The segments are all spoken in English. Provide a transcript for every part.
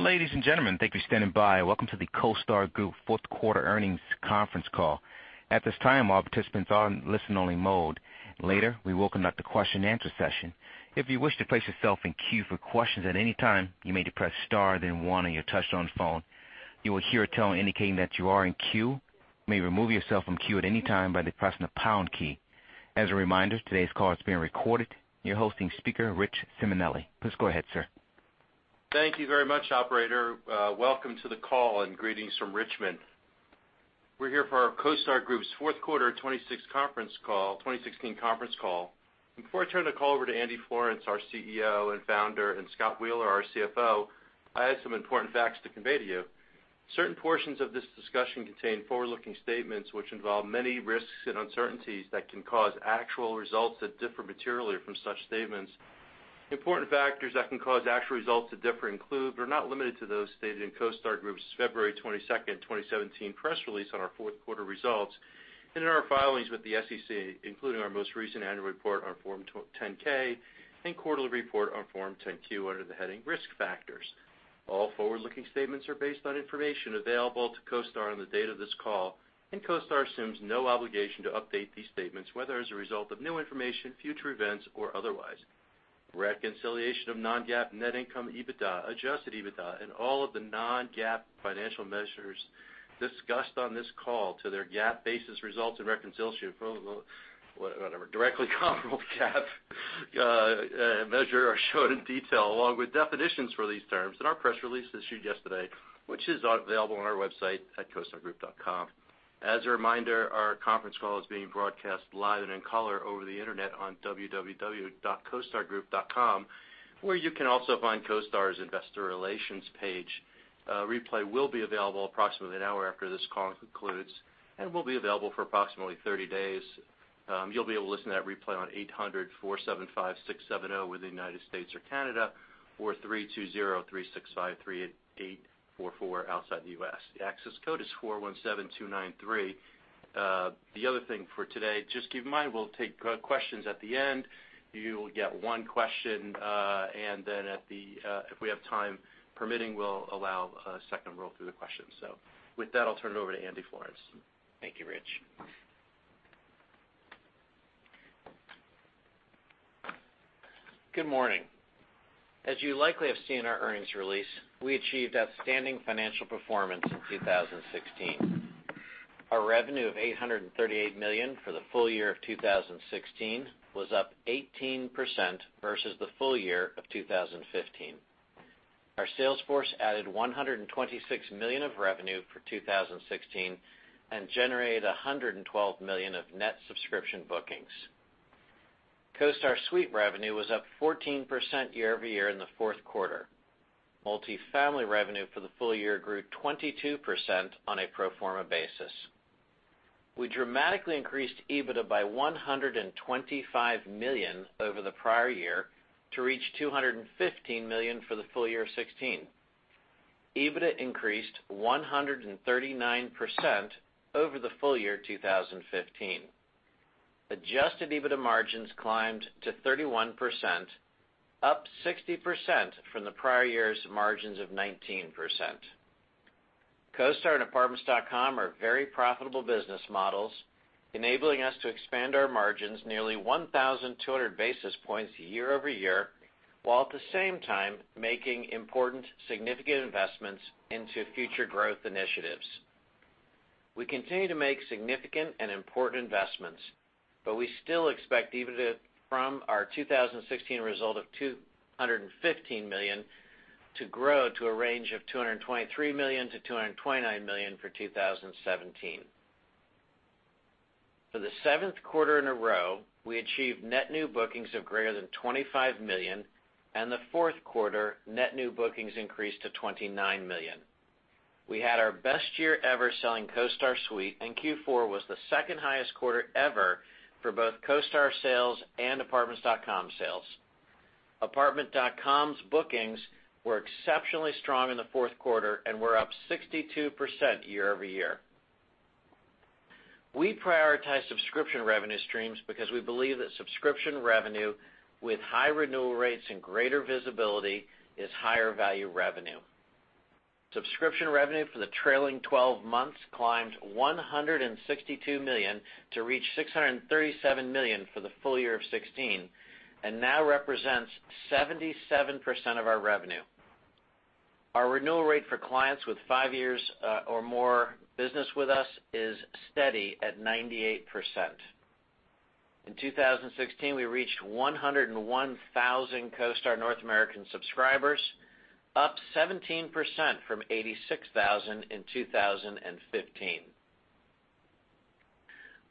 Ladies and gentlemen, thank you for standing by. Welcome to the CoStar Group fourth quarter earnings conference call. At this time, all participants are in listen-only mode. Later, we will conduct a question and answer session. If you wish to place yourself in queue for questions at any time, you may press star then one on your touchtone phone. You will hear a tone indicating that you are in queue. You may remove yourself from queue at any time by pressing the pound key. As a reminder, today's call is being recorded. Your hosting speaker, Rich Simonelli. Please go ahead, sir. Thank you very much, operator. Welcome to the call, and greetings from Richmond. We're here for our CoStar Group's fourth quarter 2016 conference call. Before I turn the call over to Andy Florance, our CEO and founder, and Scott Wheeler, our CFO, I have some important facts to convey to you. Certain portions of this discussion contain forward-looking statements which involve many risks and uncertainties that can cause actual results that differ materially from such statements. Important factors that can cause actual results to differ include, but are not limited to those stated in CoStar Group's February 22nd, 2017 press release on our fourth quarter results and in our filings with the SEC, including our most recent annual report on Form 10-K and quarterly report on Form 10-Q under the heading Risk Factors. All forward-looking statements are based on information available to CoStar on the date of this call, and CoStar assumes no obligation to update these statements, whether as a result of new information, future events, or otherwise. Reconciliation of non-GAAP net income EBITDA, adjusted EBITDA, and all of the non-GAAP financial measures discussed on this call to their GAAP-basis results and reconciliation for whatever directly comparable GAAP measure are shown in detail along with definitions for these terms in our press release issued yesterday, which is available on our website at costargroup.com. As a reminder, our conference call is being broadcast live and in color over the internet on www.costargroup.com, where you can also find CoStar's investor relations page. A replay will be available approximately an hour after this call concludes and will be available for approximately 30 days. You'll be able to listen to that replay on 800-475-670 within the United States or Canada, or 320-365-3844 outside the U.S. The access code is 417293. The other thing for today, just keep in mind, we'll take questions at the end. You will get one question. If we have time permitting, we'll allow a second roll through the questions. With that, I'll turn it over to Andy Florance. Thank you, Rich. Good morning. As you likely have seen our earnings release, we achieved outstanding financial performance in 2016. Our revenue of $838 million for the full year of 2016 was up 18% versus the full year of 2015. Our sales force added $126 million of revenue for 2016 and generated $112 million of net subscription bookings. CoStar Suite revenue was up 14% year-over-year in the fourth quarter. Multifamily revenue for the full year grew 22% on a pro forma basis. We dramatically increased EBITDA by $125 million over the prior year to reach $215 million for the full year of 2016. EBITDA increased 139% over the full year 2015. Adjusted EBITDA margins climbed to 31%, up 60% from the prior year's margins of 19%. CoStar and Apartments.com are very profitable business models, enabling us to expand our margins nearly 1,200 basis points year-over-year, while at the same time making important significant investments into future growth initiatives. We continue to make significant and important investments, we still expect EBITDA from our 2016 result of $215 million to grow to a range of $223 million-$229 million for 2017. For the seventh quarter in a row, we achieved net new bookings of greater than $25 million. The fourth quarter net new bookings increased to $29 million. We had our best year ever selling CoStar Suite. Q4 was the second highest quarter ever for both CoStar sales and Apartments.com sales. Apartments.com's bookings were exceptionally strong in the fourth quarter and were up 62% year-over-year. We prioritize subscription revenue streams because we believe that subscription revenue with high renewal rates and greater visibility is higher value revenue. Subscription revenue for the trailing 12 months climbed $162 million to reach $637 million for the full year of 2016 and now represents 77% of our revenue. Our renewal rate for clients with five years or more business with us is steady at 98%. In 2016, we reached 101,000 CoStar North American subscribers, up 17% from 86,000 in 2015.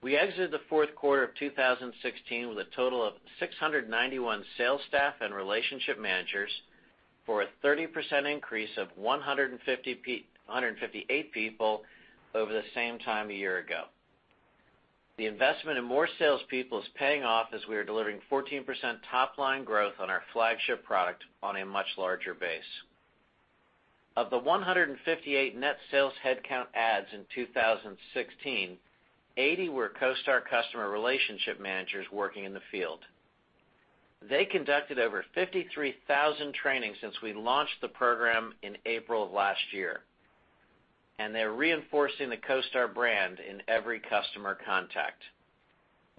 We exited the fourth quarter of 2016 with a total of 691 sales staff and relationship managers for a 30% increase of 158 people over the same time a year ago. The investment in more salespeople is paying off as we are delivering 14% top-line growth on our flagship product on a much larger base. Of the 158 net sales headcount adds in 2016, 80 were CoStar customer relationship managers working in the field. They conducted over 53,000 trainings since we launched the program in April of last year. They're reinforcing the CoStar brand in every customer contact.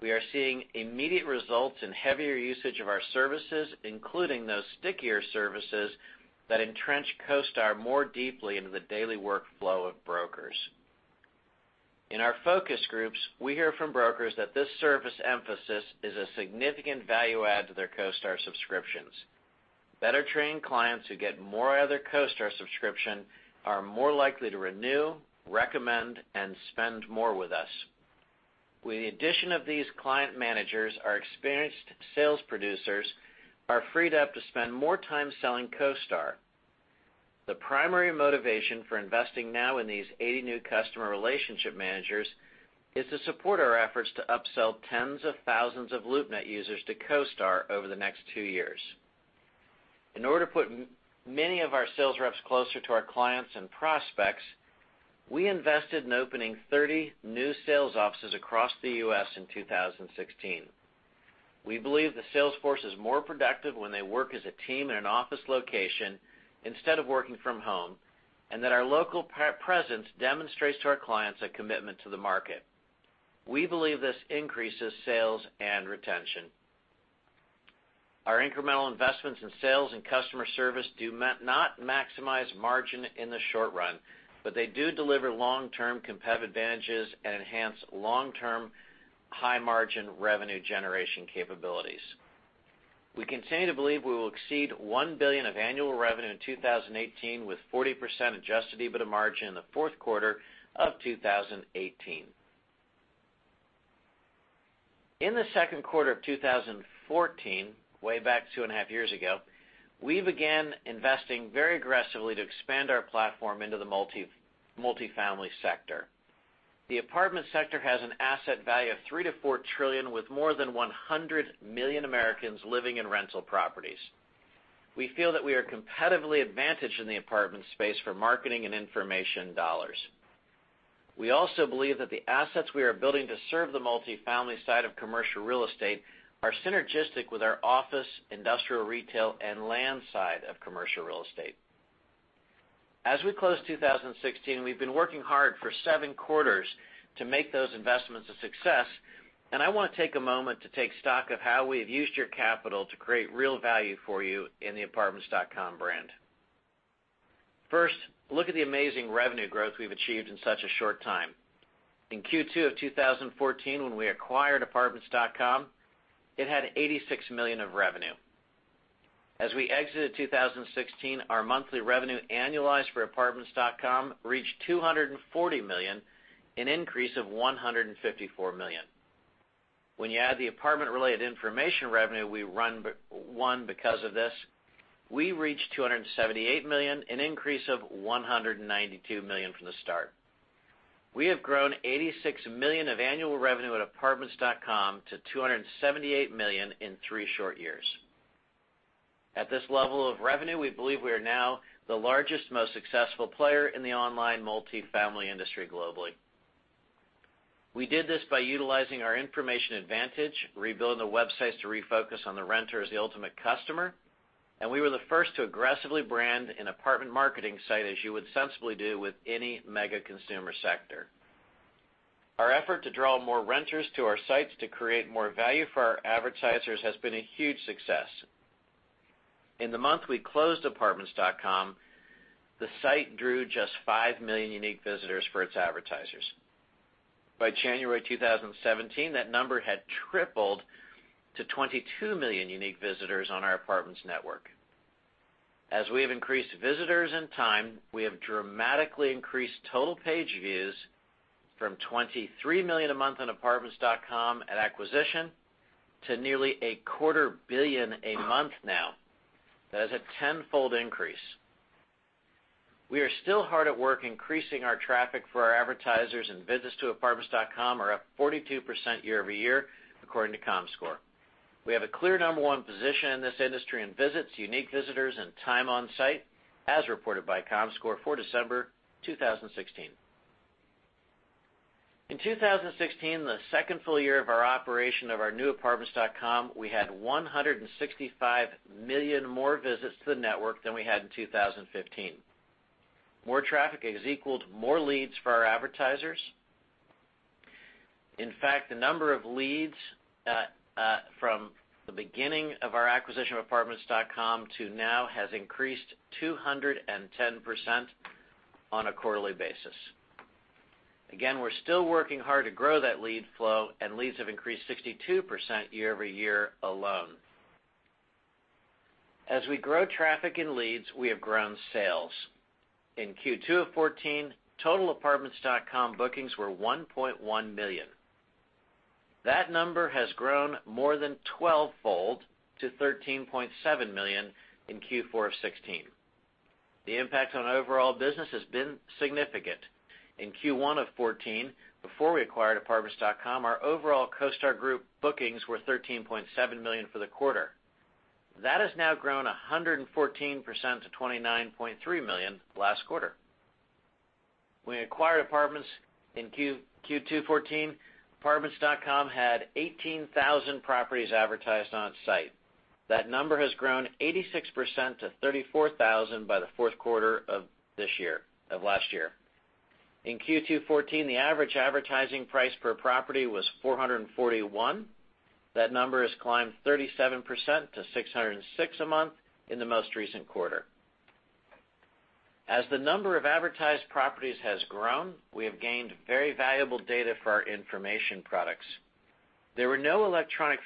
We are seeing immediate results in heavier usage of our services, including those stickier services that entrench CoStar more deeply into the daily workflow of brokers. In our focus groups, we hear from brokers that this service emphasis is a significant value add to their CoStar subscriptions. Better-trained clients who get more out of their CoStar subscription are more likely to renew, recommend, and spend more with us. With the addition of these client managers, our experienced sales producers are freed up to spend more time selling CoStar. The primary motivation for investing now in these 80 new customer relationship managers is to support our efforts to upsell tens of thousands of LoopNet users to CoStar over the next two years. In order to put many of our sales reps closer to our clients and prospects, we invested in opening 30 new sales offices across the U.S. in 2016. We believe the sales force is more productive when they work as a team in an office location instead of working from home, and that our local presence demonstrates to our clients a commitment to the market. We believe this increases sales and retention. Our incremental investments in sales and customer service do not maximize margin in the short run, but they do deliver long-term competitive advantages and enhance long-term high-margin revenue generation capabilities. We continue to believe we will exceed $1 billion of annual revenue in 2018, with 40% adjusted EBITDA margin in the fourth quarter of 2018. In the second quarter of 2014, way back two and a half years ago, we began investing very aggressively to expand our platform into the multifamily sector. The apartment sector has an asset value of $3 trillion-$4 trillion, with more than 100 million Americans living in rental properties. We feel that we are competitively advantaged in the apartment space for marketing and information dollars. We also believe that the assets we are building to serve the multifamily side of commercial real estate are synergistic with our office, industrial, retail, and land side of commercial real estate. As we close 2016, we've been working hard for seven quarters to make those investments a success, and I want to take a moment to take stock of how we have used your capital to create real value for you in the apartments.com brand. First, look at the amazing revenue growth we've achieved in such a short time. In Q2 of 2014, when we acquired apartments.com, it had $86 million of revenue. As we exited 2016, our monthly revenue annualized for apartments.com reached $240 million, an increase of $154 million. When you add the apartment-related information revenue we won because of this, we reached $278 million, an increase of $192 million from the start. We have grown $86 million of annual revenue at apartments.com to $278 million in three short years. At this level of revenue, we believe we are now the largest, most successful player in the online multifamily industry globally. We did this by utilizing our information advantage, rebuilding the websites to refocus on the renter as the ultimate customer, and we were the first to aggressively brand an apartment marketing site, as you would sensibly do with any mega consumer sector. Our effort to draw more renters to our sites to create more value for our advertisers has been a huge success. In the month we closed apartments.com, the site drew just 5 million unique visitors for its advertisers. By January 2017, that number had tripled to 22 million unique visitors on our apartments network. As we have increased visitors and time, we have dramatically increased total page views from 23 million a month on apartments.com at acquisition to nearly a quarter billion a month now. That is a tenfold increase. We are still hard at work increasing our traffic for our advertisers, and visits to apartments.com are up 42% year-over-year, according to Comscore. We have a clear number one position in this industry in visits, unique visitors, and time on site, as reported by Comscore for December 2016. In 2016, the second full year of our operation of our new apartments.com, we had 165 million more visits to the network than we had in 2015. More traffic has equaled more leads for our advertisers. In fact, the number of leads from the beginning of our acquisition of apartments.com to now has increased 210% on a quarterly basis. Again, we're still working hard to grow that lead flow, and leads have increased 62% year-over-year alone. As we grow traffic in leads, we have grown sales. In Q2 of 2014, total apartments.com bookings were $1.1 million. That number has grown more than twelvefold to $13.7 million in Q4 of 2016. The impact on overall business has been significant. In Q1 of 2014, before we acquired apartments.com, our overall CoStar Group bookings were $13.7 million for the quarter. That has now grown 114% to $29.3 million last quarter. When we acquired apartments in Q2 2014, apartments.com had 18,000 properties advertised on site. That number has grown 86% to 34,000 by the fourth quarter of last year. In Q2 2014, the average advertising price per property was $441. That number has climbed 37% to $606 a month in the most recent quarter. As the number of advertised properties has grown, we have gained very valuable data for our information products. There were no electronic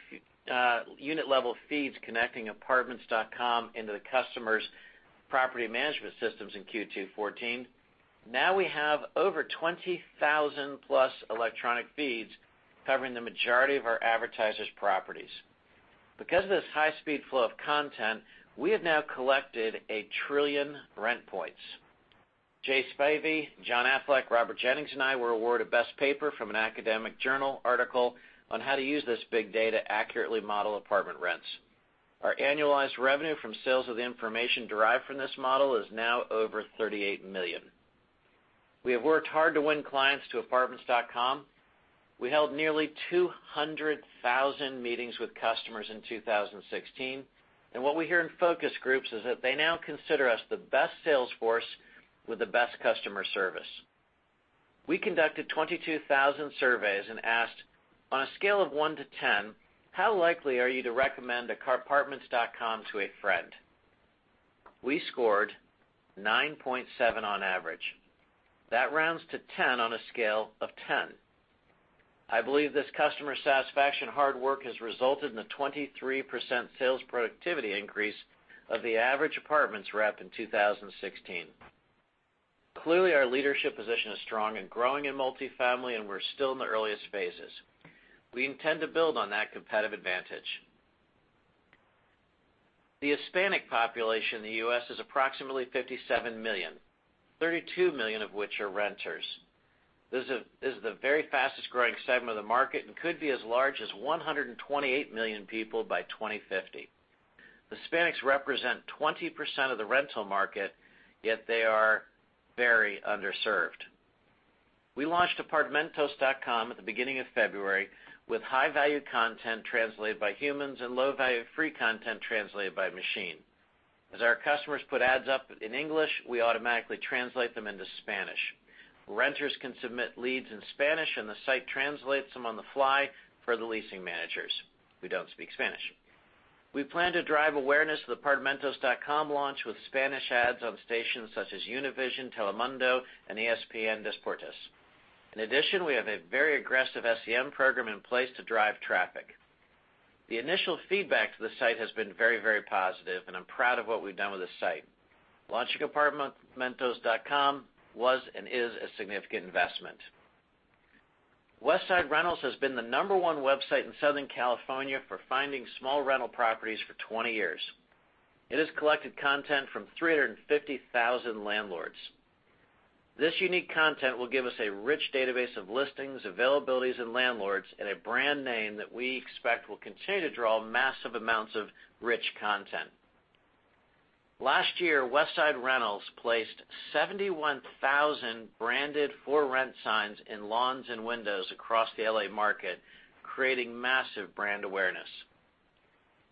unit level feeds connecting apartments.com into the customers' property management systems in Q2 2014. Now we have over 20,000 plus electronic feeds covering the majority of our advertisers' properties. Because of this high-speed flow of content, we have now collected a trillion rent points. Jay Spivey, John Affleck, Robert Jennings, and I were awarded Best Paper from an academic journal article on how to use this big data to accurately model apartment rents. Our annualized revenue from sales of the information derived from this model is now over $38 million. We have worked hard to win clients to apartments.com. We held nearly 200,000 meetings with customers in 2016, and what we hear in focus groups is that they now consider us the best sales force with the best customer service. We conducted 22,000 surveys and asked, "On a scale of one to 10, how likely are you to recommend apartments.com to a friend?" We scored 9.7 on average. That rounds to 10 on a scale of 10. I believe this customer satisfaction hard work has resulted in a 23% sales productivity increase of the average Apartments rep in 2016. Our leadership position is strong and growing in multifamily, and we're still in the earliest phases. We intend to build on that competitive advantage. The Hispanic population in the U.S. is approximately 57 million, 32 million of which are renters. This is the very fastest-growing segment of the market and could be as large as 128 million people by 2050. Hispanics represent 20% of the rental market, yet they are very underserved. We launched Apartamentos.com at the beginning of February with high-value content translated by humans and low-value free content translated by machine. As our customers put ads up in English, we automatically translate them into Spanish. Renters can submit leads in Spanish, and the site translates them on the fly for the leasing managers who don't speak Spanish. We plan to drive awareness of the Apartamentos.com launch with Spanish ads on stations such as Univision, Telemundo, and ESPN Deportes. In addition, we have a very aggressive SEM program in place to drive traffic. The initial feedback to the site has been very positive, and I'm proud of what we've done with the site. Launching Apartamentos.com was and is a significant investment. Westside Rentals has been the number one website in Southern California for finding small rental properties for 20 years. It has collected content from 350,000 landlords. This unique content will give us a rich database of listings, availabilities, and landlords in a brand name that we expect will continue to draw massive amounts of rich content. Last year, Westside Rentals placed 71,000 branded For Rent signs in lawns and windows across the L.A. market, creating massive brand awareness.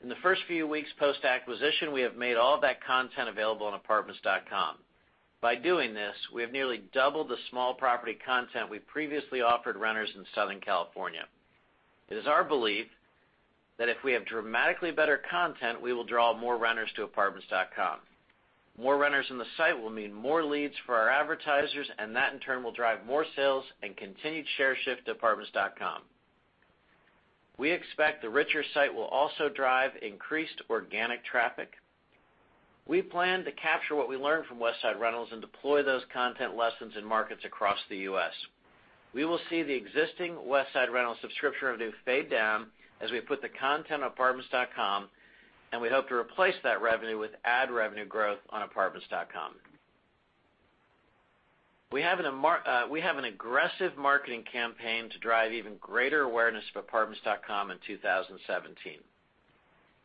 In the first few weeks post-acquisition, we have made all of that content available on apartments.com. By doing this, we have nearly doubled the small property content we previously offered renters in Southern California. It is our belief that if we have dramatically better content, we will draw more renters to apartments.com. More renters on the site will mean more leads for our advertisers, and that in turn will drive more sales and continued share shift to apartments.com. We expect the richer site will also drive increased organic traffic. We plan to capture what we learned from Westside Rentals and deploy those content lessons in markets across the U.S. We will see the existing Westside Rentals subscription revenue fade down as we put the content on apartments.com, and we hope to replace that revenue with ad revenue growth on apartments.com. We have an aggressive marketing campaign to drive even greater awareness of apartments.com in 2017.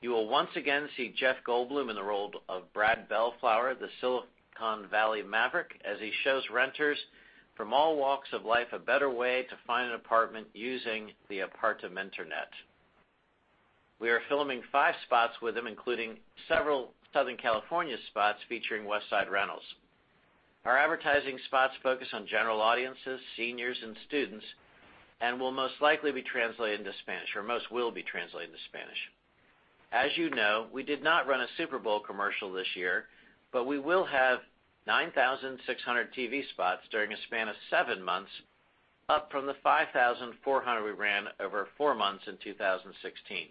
You will once again see Jeff Goldblum in the role of Brad Bellflower, the Silicon Valley maverick, as he shows renters from all walks of life a better way to find an apartment using the Apartamenternet. We are filming five spots with him, including several Southern California spots featuring Westside Rentals. Our advertising spots focus on general audiences, seniors, and students, and will most likely be translated into Spanish, or most will be translated to Spanish. As you know, we did not run a Super Bowl commercial this year, but we will have 9,600 TV spots during a span of seven months, up from the 5,400 we ran over four months in 2016.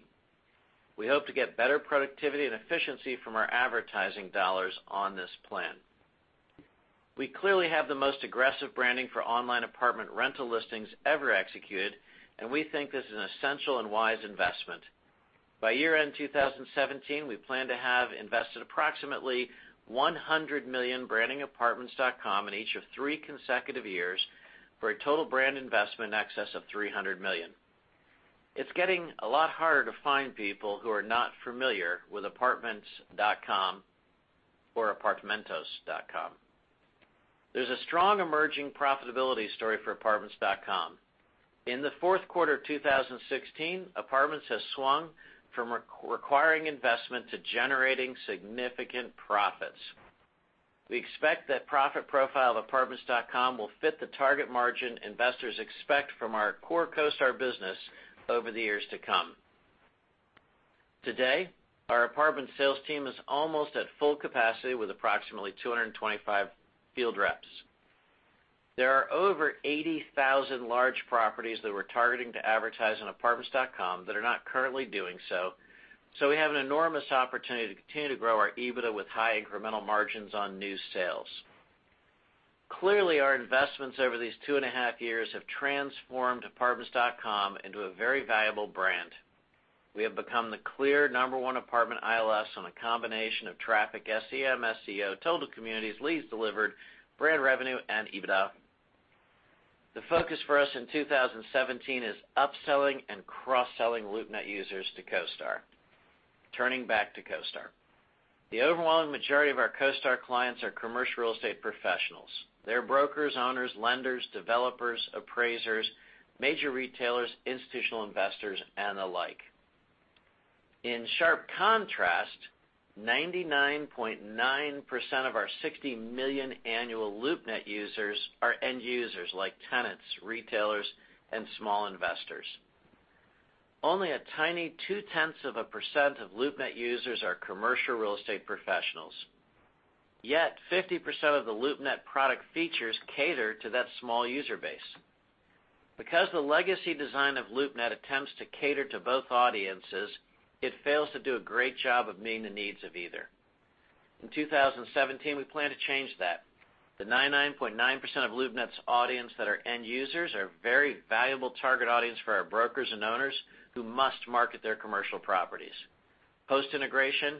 We hope to get better productivity and efficiency from our advertising dollars on this plan. We clearly have the most aggressive branding for online apartment rental listings ever executed, and we think this is an essential and wise investment. By year-end 2017, we plan to have invested approximately $100 million branding apartments.com in each of three consecutive years for a total brand investment in excess of $300 million. It's getting a lot harder to find people who are not familiar with apartments.com or Apartamentos.com. There's a strong emerging profitability story for apartments.com. In the fourth quarter of 2016, Apartments has swung from requiring investment to generating significant profits. We expect that profit profile of apartments.com will fit the target margin investors expect from our core CoStar business over the years to come. Today, our apartment sales team is almost at full capacity with approximately 225 field reps. There are over 80,000 large properties that we're targeting to advertise on apartments.com that are not currently doing so. We have an enormous opportunity to continue to grow our EBITDA with high incremental margins on new sales. Clearly, our investments over these two and a half years have transformed apartments.com into a very valuable brand. We have become the clear number one apartment ILS on a combination of traffic, SEM, SEO, total communities, leads delivered, brand revenue, and EBITDA. The focus for us in 2017 is upselling and cross-selling LoopNet users to CoStar. Turning back to CoStar. The overwhelming majority of our CoStar clients are commercial real estate professionals. They're brokers, owners, lenders, developers, appraisers, major retailers, institutional investors, and the like. In sharp contrast, 99.9% of our 60 million annual LoopNet users are end users, like tenants, retailers, and small investors. Only a tiny two-tenths of a % of LoopNet users are commercial real estate professionals. Yet 50% of the LoopNet product features cater to that small user base. Because the legacy design of LoopNet attempts to cater to both audiences, it fails to do a great job of meeting the needs of either. In 2017, we plan to change that. The 99.9% of LoopNet's audience that are end users are a very valuable target audience for our brokers and owners who must market their commercial properties. Post-integration,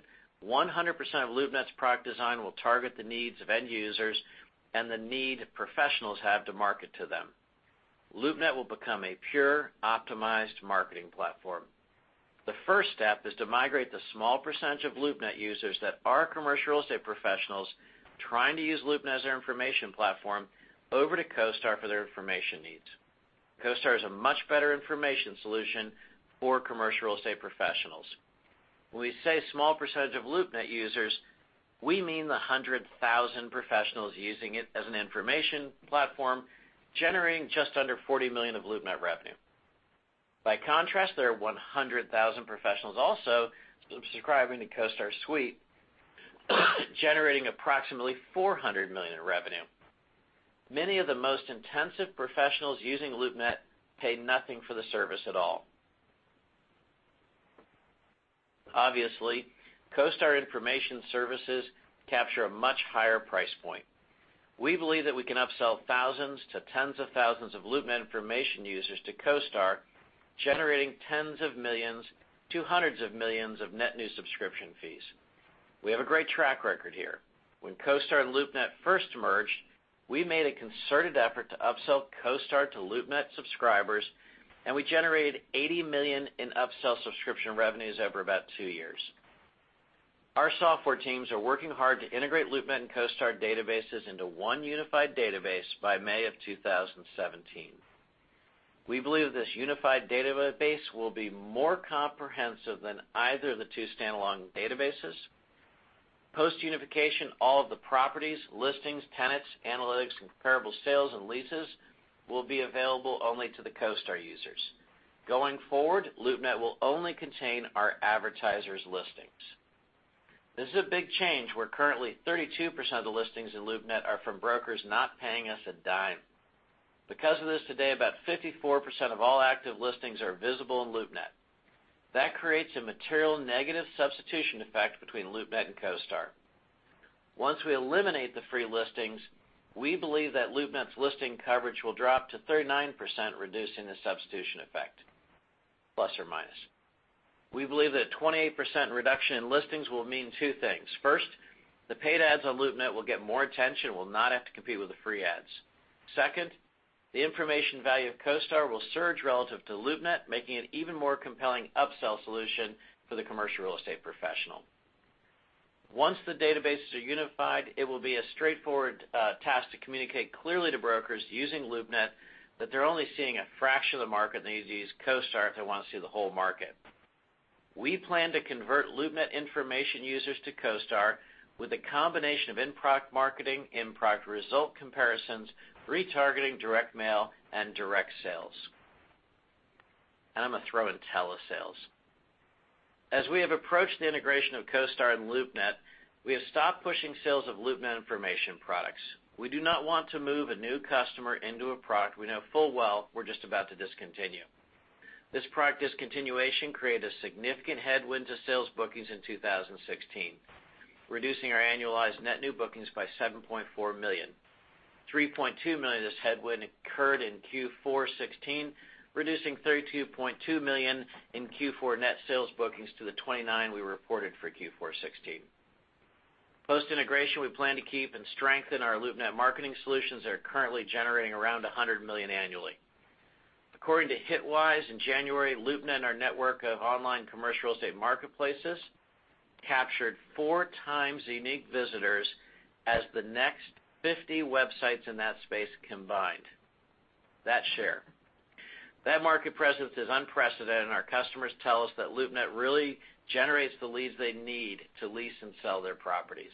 100% of LoopNet's product design will target the needs of end users and the need professionals have to market to them. LoopNet will become a pure, optimized marketing platform. The first step is to migrate the small percentage of LoopNet users that are commercial real estate professionals trying to use LoopNet as their information platform over to CoStar for their information needs. CoStar is a much better information solution for commercial real estate professionals. When we say small percentage of LoopNet users, we mean the 100,000 professionals using it as an information platform, generating just under $40 million of LoopNet revenue. By contrast, there are 100,000 professionals also subscribing to CoStar Suite, generating approximately $400 million in revenue. Many of the most intensive professionals using LoopNet pay nothing for the service at all. Obviously, CoStar information services capture a much higher price point. We believe that we can upsell thousands to tens of thousands of LoopNet information users to CoStar, generating tens of millions to hundreds of millions of net new subscription fees. We have a great track record here. When CoStar and LoopNet first merged, we made a concerted effort to upsell CoStar to LoopNet subscribers, we generated $80 million in upsell subscription revenues over about two years. Our software teams are working hard to integrate LoopNet and CoStar databases into one unified database by May of 2017. We believe this unified database will be more comprehensive than either of the two stand-alone databases. Post-unification, all of the properties, listings, tenants, analytics, and comparable sales and leases will be available only to the CoStar users. Going forward, LoopNet will only contain our advertisers' listings. This is a big change, where currently 32% of the listings in LoopNet are from brokers not paying us a dime. Because of this today, about 54% of all active listings are visible in LoopNet. That creates a material negative substitution effect between LoopNet and CoStar. Once we eliminate the free listings, we believe that LoopNet's listing coverage will drop to 39%, reducing the substitution effect, plus or minus. We believe that a 28% reduction in listings will mean two things. First, the paid ads on LoopNet will get more attention and will not have to compete with the free ads. Second, the information value of CoStar will surge relative to LoopNet, making it an even more compelling upsell solution for the commercial real estate professional. Once the databases are unified, it will be a straightforward task to communicate clearly to brokers using LoopNet that they're only seeing a fraction of the market and they need to use CoStar if they want to see the whole market. We plan to convert LoopNet information users to CoStar with a combination of in-product marketing, in-product result comparisons, retargeting direct mail, and direct sales. I'm going to throw in telesales. As we have approached the integration of CoStar and LoopNet, we have stopped pushing sales of LoopNet information products. We do not want to move a new customer into a product we know full well we're just about to discontinue. This product discontinuation created a significant headwind to sales bookings in 2016, reducing our annualized net new bookings by $7.4 million. $3.2 million of this headwind occurred in Q4 2016, reducing $32.2 million in Q4 net sales bookings to the $29 we reported for Q4 2016. Post-integration, we plan to keep and strengthen our LoopNet marketing solutions that are currently generating around $100 million annually. According to Hitwise, in January, LoopNet and our network of online commercial real estate marketplaces captured four times the unique visitors as the next 50 websites in that space combined. That share. That market presence is unprecedented, and our customers tell us that LoopNet really generates the leads they need to lease and sell their properties.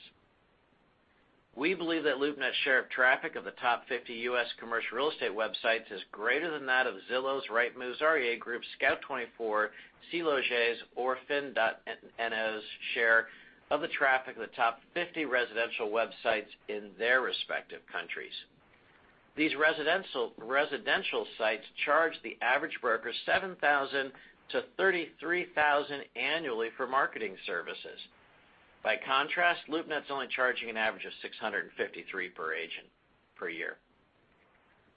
We believe that LoopNet's share of traffic of the top 50 U.S. commercial real estate websites is greater than that of Zillow's, Rightmove's, REA Group's, Scout24's, SeLoger's, or FINN.no's share of the traffic of the top 50 residential websites in their respective countries. These residential sites charge the average broker $7,000-$33,000 annually for marketing services. By contrast, LoopNet's only charging an average of $653 per agent per year.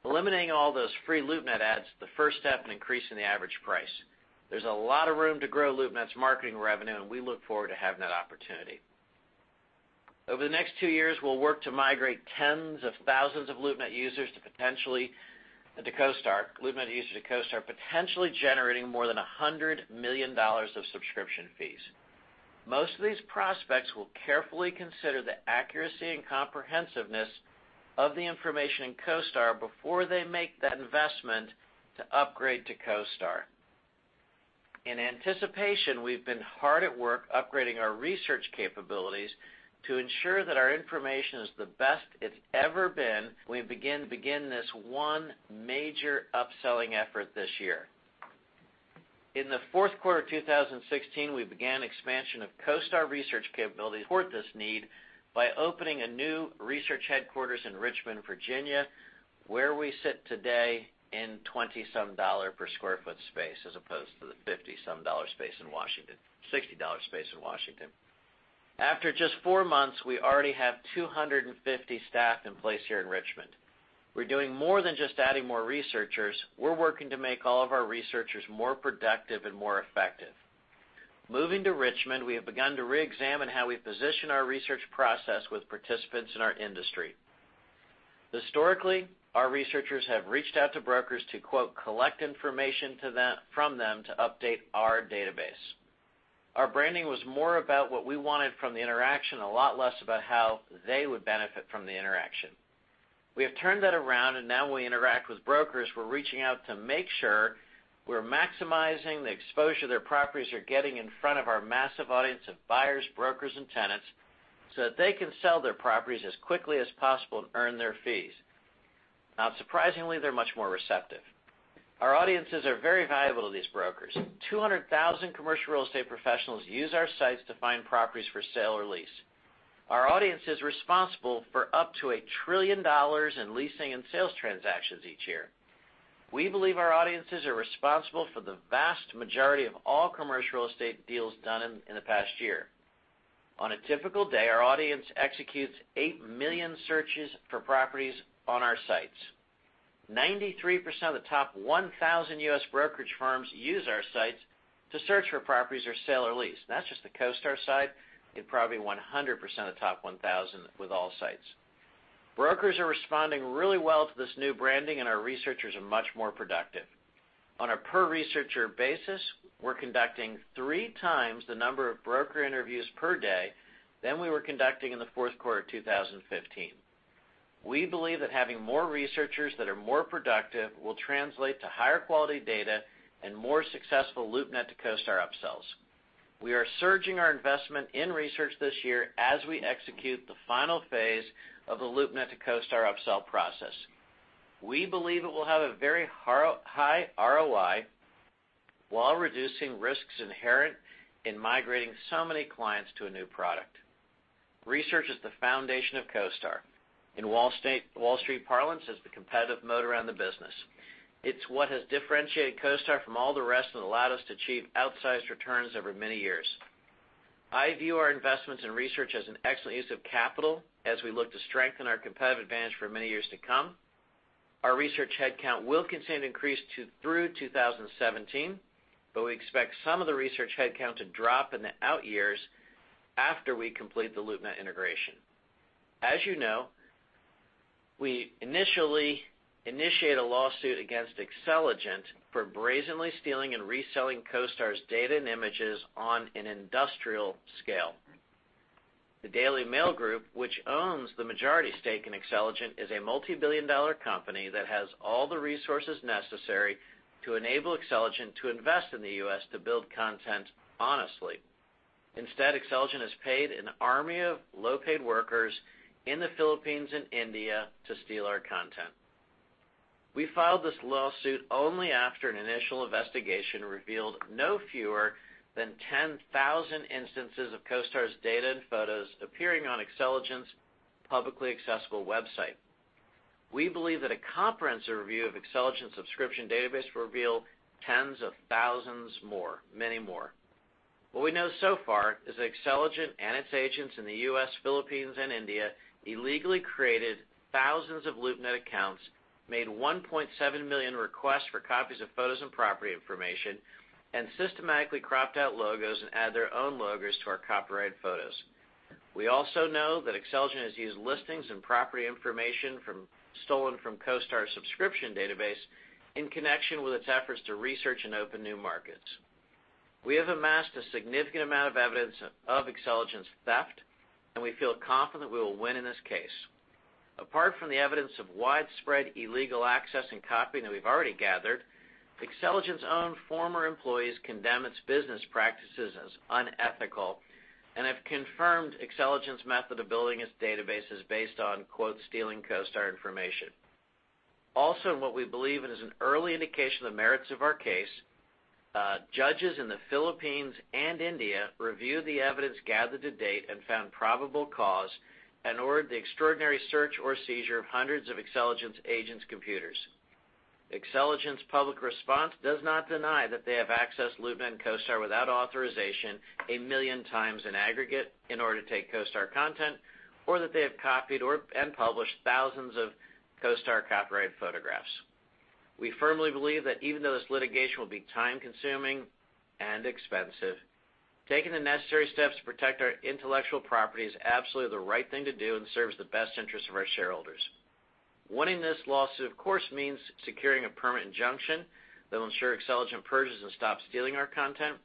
Eliminating all those free LoopNet ads is the first step in increasing the average price. There's a lot of room to grow LoopNet's marketing revenue, and we look forward to having that opportunity. Over the next two years, we'll work to migrate tens of thousands of LoopNet users to CoStar, potentially generating more than $100 million of subscription fees. Most of these prospects will carefully consider the accuracy and comprehensiveness of the information in CoStar before they make that investment to upgrade to CoStar. In anticipation, we've been hard at work upgrading our research capabilities to ensure that our information is the best it's ever been when we begin this one major upselling effort this year. In the fourth quarter of 2016, we began expansion of CoStar research capabilities toward this need by opening a new research headquarters in Richmond, Virginia, where we sit today in $20-some dollar per sq ft space, as opposed to the $50-some dollar space in Washington, $60 space in Washington. After just four months, we already have 250 staff in place here in Richmond. We're doing more than just adding more researchers. We're working to make all of our researchers more productive and more effective. Moving to Richmond, we have begun to reexamine how we position our research process with participants in our industry. Historically, our researchers have reached out to brokers to, quote, "collect information from them to update our database." Our branding was more about what we wanted from the interaction, a lot less about how they would benefit from the interaction. We have turned that around, and now we interact with brokers. We're reaching out to make sure we're maximizing the exposure their properties are getting in front of our massive audience of buyers, brokers, and tenants so that they can sell their properties as quickly as possible and earn their fees. Not surprisingly, they're much more receptive. Our audiences are very valuable to these brokers. 200,000 commercial real estate professionals use our sites to find properties for sale or lease. Our audience is responsible for up to $1 trillion in leasing and sales transactions each year. We believe our audiences are responsible for the vast majority of all commercial real estate deals done in the past year. On a typical day, our audience executes 8 million searches for properties on our sites. 93% of the top 1,000 U.S. brokerage firms use our sites to search for properties or sale or lease. That's just the CoStar side. It'd probably be 100% of the top 1,000 with all sites. Brokers are responding really well to this new branding, and our researchers are much more productive. On a per researcher basis, we're conducting three times the number of broker interviews per day than we were conducting in the fourth quarter of 2015. We believe that having more researchers that are more productive will translate to higher quality data and more successful LoopNet to CoStar upsells. We are surging our investment in research this year as we execute the final phase of the LoopNet to CoStar upsell process. We believe it will have a very high ROI while reducing risks inherent in migrating so many clients to a new product. Research is the foundation of CoStar. In Wall Street parlance, it's the competitive moat around the business. It's what has differentiated CoStar from all the rest and allowed us to achieve outsized returns over many years. I view our investments in research as an excellent use of capital as we look to strengthen our competitive advantage for many years to come. Our research headcount will continue to increase through 2017. We expect some of the research headcount to drop in the out years after we complete the LoopNet integration. As you know, we initially initiate a lawsuit against Xceligent for brazenly stealing and reselling CoStar's data and images on an industrial scale. The Daily Mail Group, which owns the majority stake in Xceligent, is a multibillion-dollar company that has all the resources necessary to enable Xceligent to invest in the U.S. to build content honestly. Instead, Xceligent has paid an army of low-paid workers in the Philippines and India to steal our content. We filed this lawsuit only after an initial investigation revealed no fewer than 10,000 instances of CoStar's data and photos appearing on Xceligent's publicly accessible website. We believe that a comprehensive review of Xceligent's subscription database will reveal tens of thousands more, many more. What we know so far is that Xceligent and its agents in the U.S., Philippines, and India illegally created thousands of LoopNet accounts, made 1.7 million requests for copies of photos and property information, and systematically cropped out logos and added their own logos to our copyrighted photos. We also know that Xceligent has used listings and property information stolen from CoStar subscription database in connection with its efforts to research and open new markets. We have amassed a significant amount of evidence of Xceligent's theft, and we feel confident we will win in this case. Apart from the evidence of widespread illegal access and copying that we've already gathered, Xceligent's own former employees condemn its business practices as unethical and have confirmed Xceligent's method of building its database is based on "stealing CoStar information." What we believe is an early indication of the merits of our case, judges in the Philippines and India reviewed the evidence gathered to date and found probable cause and ordered the extraordinary search or seizure of hundreds of Xceligent's agents' computers. Xceligent's public response does not deny that they have accessed LoopNet and CoStar without authorization 1 million times in aggregate in order to take CoStar content, or that they have copied or published thousands of CoStar copyrighted photographs. We firmly believe that even though this litigation will be time-consuming and expensive, taking the necessary steps to protect our intellectual property is absolutely the right thing to do and serves the best interest of our shareholders. Winning this lawsuit of course means securing a permanent injunction that will ensure Xceligent purges and stops stealing our content.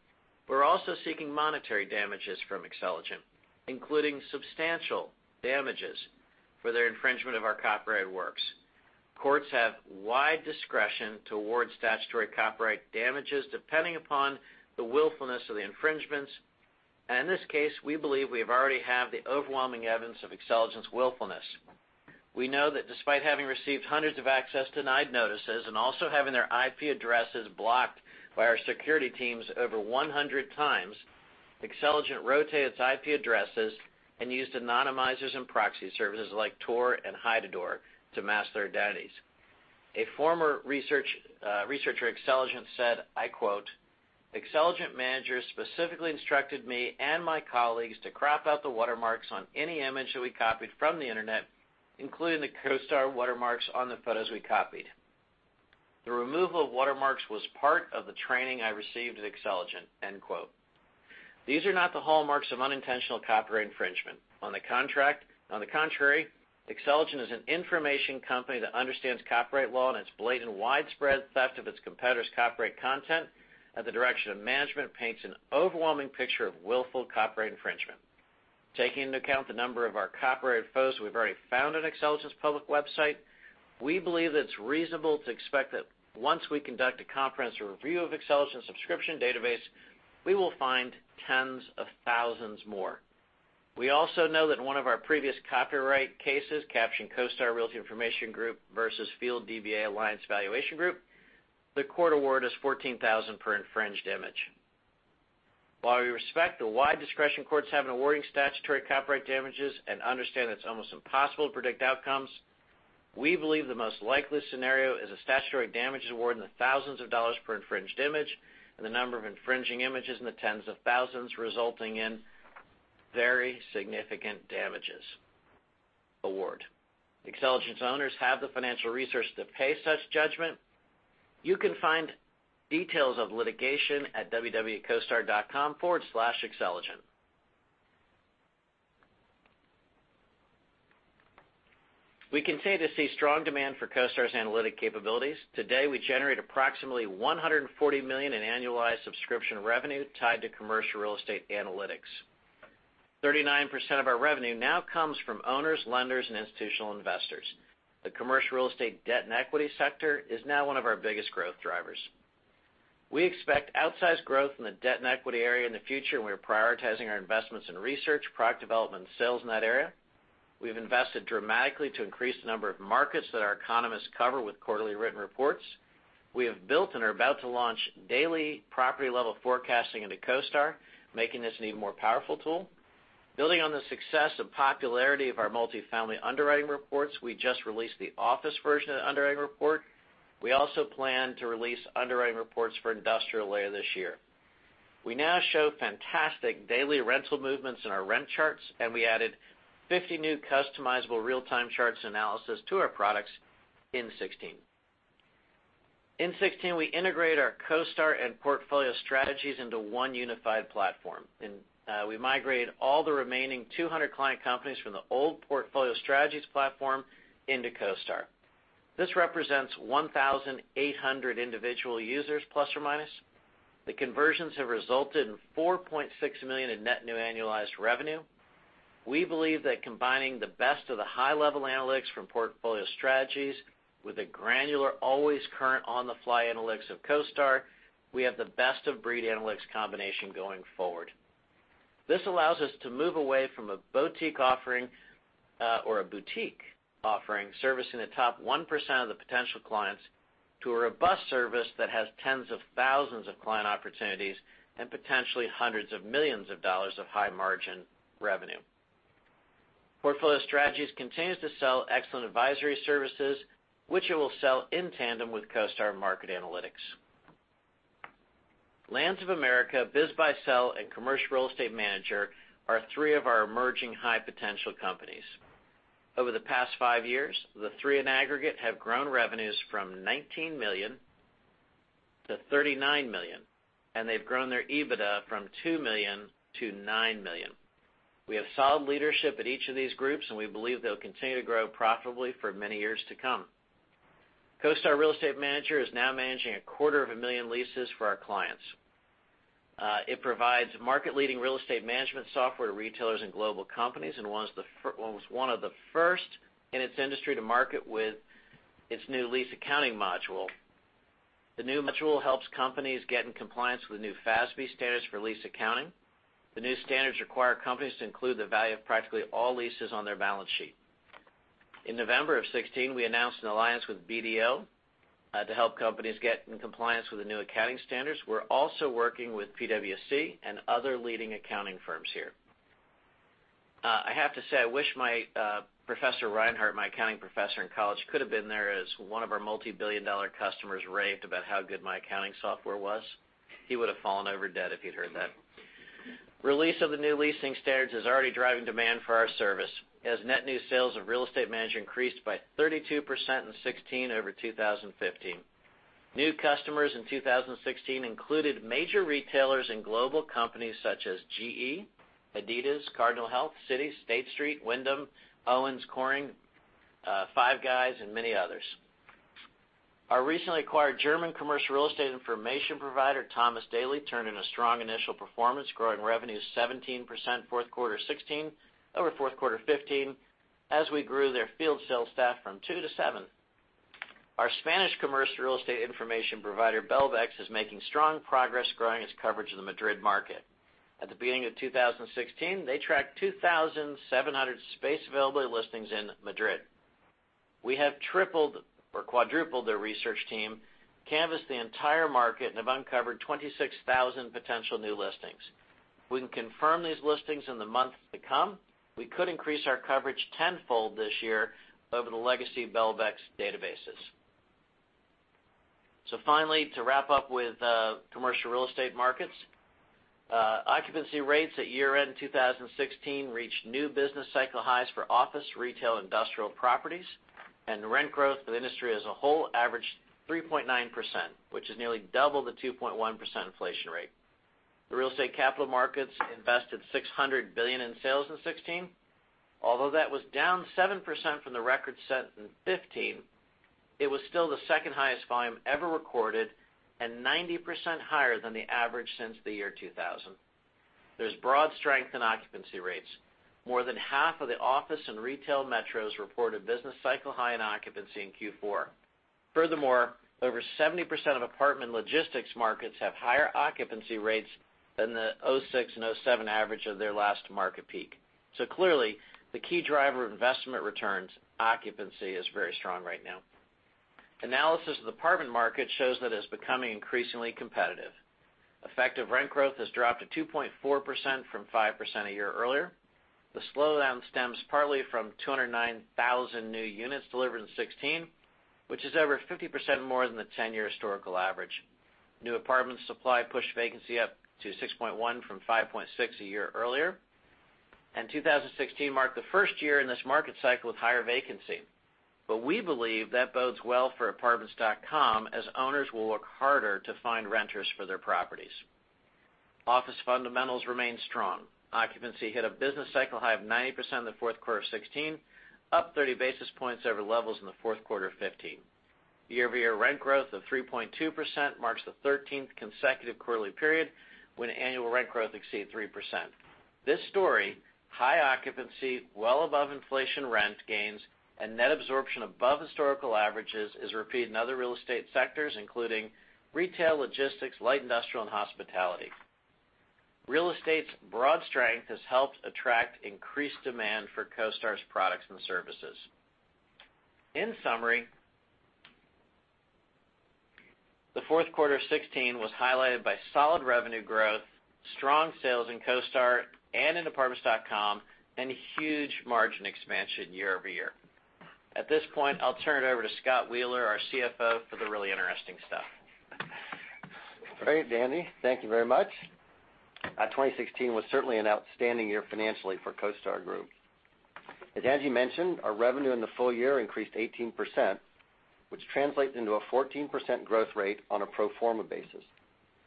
We're also seeking monetary damages from Xceligent, including substantial damages for their infringement of our copyrighted works. Courts have wide discretion towards statutory copyright damages, depending upon the willfulness of the infringements. In this case, we believe we already have the overwhelming evidence of Xceligent's willfulness. We know that despite having received hundreds of access denied notices and also having their IP addresses blocked by our security teams over 100 times, Xceligent rotated its IP addresses and used anonymizers and proxy services like Tor and HideMyAss to mask their identities. A former researcher at Xceligent said, "Xceligent managers specifically instructed me and my colleagues to crop out the watermarks on any image that we copied from the internet, including the CoStar watermarks on the photos we copied. The removal of watermarks was part of the training I received at Xceligent." These are not the hallmarks of unintentional copyright infringement. On the contrary, Xceligent is an information company that understands copyright law, and its blatant widespread theft of its competitor's copyright content at the direction of management paints an overwhelming picture of willful copyright infringement. Taking into account the number of our copyrighted photos we've already found on Xceligent's public website, we believe that it's reasonable to expect that once we conduct a comprehensive review of Xceligent's subscription database, we will find tens of thousands more. We also know that in one of our previous copyright cases, captioned CoStar Realty Information Group versus Field D/B/A Alliance Valuation Group, the court award is $14,000 per infringed image. While we respect the wide discretion courts have in awarding statutory copyright damages and understand it's almost impossible to predict outcomes, we believe the most likely scenario is a statutory damages award in the thousands of dollars per infringed image and the number of infringing images in the tens of thousands, resulting in very significant damages award. Xceligent's owners have the financial resource to pay such judgment. You can find details of litigation at www.costar.com/xceligent. We continue to see strong demand for CoStar's analytic capabilities. Today, we generate approximately $140 million in annualized subscription revenue tied to commercial real estate analytics. 39% of our revenue now comes from owners, lenders, and institutional investors. The commercial real estate debt and equity sector is now one of our biggest growth drivers. We expect outsized growth in the debt and equity area in the future. We are prioritizing our investments in research, product development, and sales in that area. We've invested dramatically to increase the number of markets that our economists cover with quarterly written reports. We have built and are about to launch daily property-level forecasting into CoStar, making this an even more powerful tool. Building on the success and popularity of our multifamily underwriting reports, we just released the office version of the underwriting report. We also plan to release underwriting reports for industrial later this year. We now show fantastic daily rental movements in our rent charts. We added 50 new customizable real-time charts analysis to our products in 2016. In 2016, we integrated our CoStar and Portfolio Strategies into one unified platform. We migrated all the remaining 200 client companies from the old Portfolio Strategies platform into CoStar. This represents 1,800 individual users, plus or minus. The conversions have resulted in $4.6 million in net new annualized revenue. We believe that combining the best of the high-level analytics from Portfolio Strategies with the granular, always current on-the-fly analytics of CoStar, we have the best-of-breed analytics combination going forward. This allows us to move away from a boutique offering servicing the top 1% of the potential clients to a robust service that has tens of thousands of client opportunities and potentially hundreds of millions of dollars of high-margin revenue. Portfolio Strategies continues to sell excellent advisory services, which it will sell in tandem with CoStar market analytics. Lands of America, BizBuySell, CoStar Real Estate Manager are three of our emerging high-potential companies. Over the past five years, the three in aggregate have grown revenues from $19 million-$39 million. They've grown their EBITDA from $2 million-$9 million. We have solid leadership at each of these groups. We believe they'll continue to grow profitably for many years to come. CoStar Real Estate Manager is now managing a quarter of a million leases for our clients. It provides market-leading real estate management software to retailers and global companies and was one of the first in its industry to market with its new lease accounting module. The new module helps companies get in compliance with new FASB standards for lease accounting. The new standards require companies to include the value of practically all leases on their balance sheet. In November of 2016, we announced an alliance with BDO to help companies get in compliance with the new accounting standards. We're also working with PwC and other leading accounting firms here. I have to say, I wish my Professor Reinhart, my accounting professor in college, could've been there as one of our multibillion-dollar customers raved about how good my CoStar Real Estate Manager was. He would've fallen over dead if he'd heard that. Release of the new leasing standards is already driving demand for our service, as net new sales of CoStar Real Estate Manager increased by 32% in 2016 over 2015. New customers in 2016 included major retailers and global companies such as GE, Adidas, Cardinal Health, Citi, State Street, Wyndham, Owens Corning, Five Guys, and many others. Our recently acquired German commercial real estate information provider, Thomas Daily, turned in a strong initial performance, growing revenues 17% fourth quarter 2016 over fourth quarter 2015, as we grew their field sales staff from two to seven. Our Spanish commercial real estate information provider, Belbex, is making strong progress growing its coverage in the Madrid market. At the beginning of 2016, they tracked 2,700 space availability listings in Madrid. We have tripled or quadrupled their research team, canvassed the entire market, and have uncovered 26,000 potential new listings. If we can confirm these listings in the months to come, we could increase our coverage tenfold this year over the legacy Belbex databases. Finally, to wrap up with commercial real estate markets, occupancy rates at year-end 2016 reached new business cycle highs for office, retail, industrial properties, and rent growth for the industry as a whole averaged 3.9%, which is nearly double the 2.1% inflation rate. The real estate capital markets invested $600 billion in sales in 2016. Although that was down 7% from the record set in 2015, it was still the second highest volume ever recorded and 90% higher than the average since the year 2000. There's broad strength in occupancy rates. More than half of the office and retail metros reported business cycle high in occupancy in Q4. Furthermore, over 70% of apartment and logistics markets have higher occupancy rates than the 2006 and 2007 average of their last market peak. Clearly, the key driver of investment returns, occupancy, is very strong right now. Analysis of the apartment market shows that it is becoming increasingly competitive. Effective rent growth has dropped to 2.4% from 5% a year earlier. The slowdown stems partly from 209,000 new units delivered in 2016, which is over 50% more than the 10-year historical average. New apartment supply pushed vacancy up to 6.1% from 5.6% a year earlier, and 2016 marked the first year in this market cycle with higher vacancy. We believe that bodes well for apartments.com as owners will work harder to find renters for their properties. Office fundamentals remain strong. Occupancy hit a business cycle high of 90% in the fourth quarter of 2016, up 30 basis points over levels in the fourth quarter of 2015. Year-over-year rent growth of 3.2% marks the 13th consecutive quarterly period when annual rent growth exceeded 3%. This story, high occupancy, well above inflation rent gains, and net absorption above historical averages, is repeated in other real estate sectors, including retail, logistics, light industrial, and hospitality. Real estate's broad strength has helped attract increased demand for CoStar's products and services. In summary, the fourth quarter of 2016 was highlighted by solid revenue growth, strong sales in CoStar and in Apartments.com, and huge margin expansion year-over-year. At this point, I'll turn it over to Scott Wheeler, our CFO, for the really interesting stuff. Great, Andy. Thank you very much. 2016 was certainly an outstanding year financially for CoStar Group. As Andy mentioned, our revenue in the full year increased 18%, which translates into a 14% growth rate on a pro forma basis.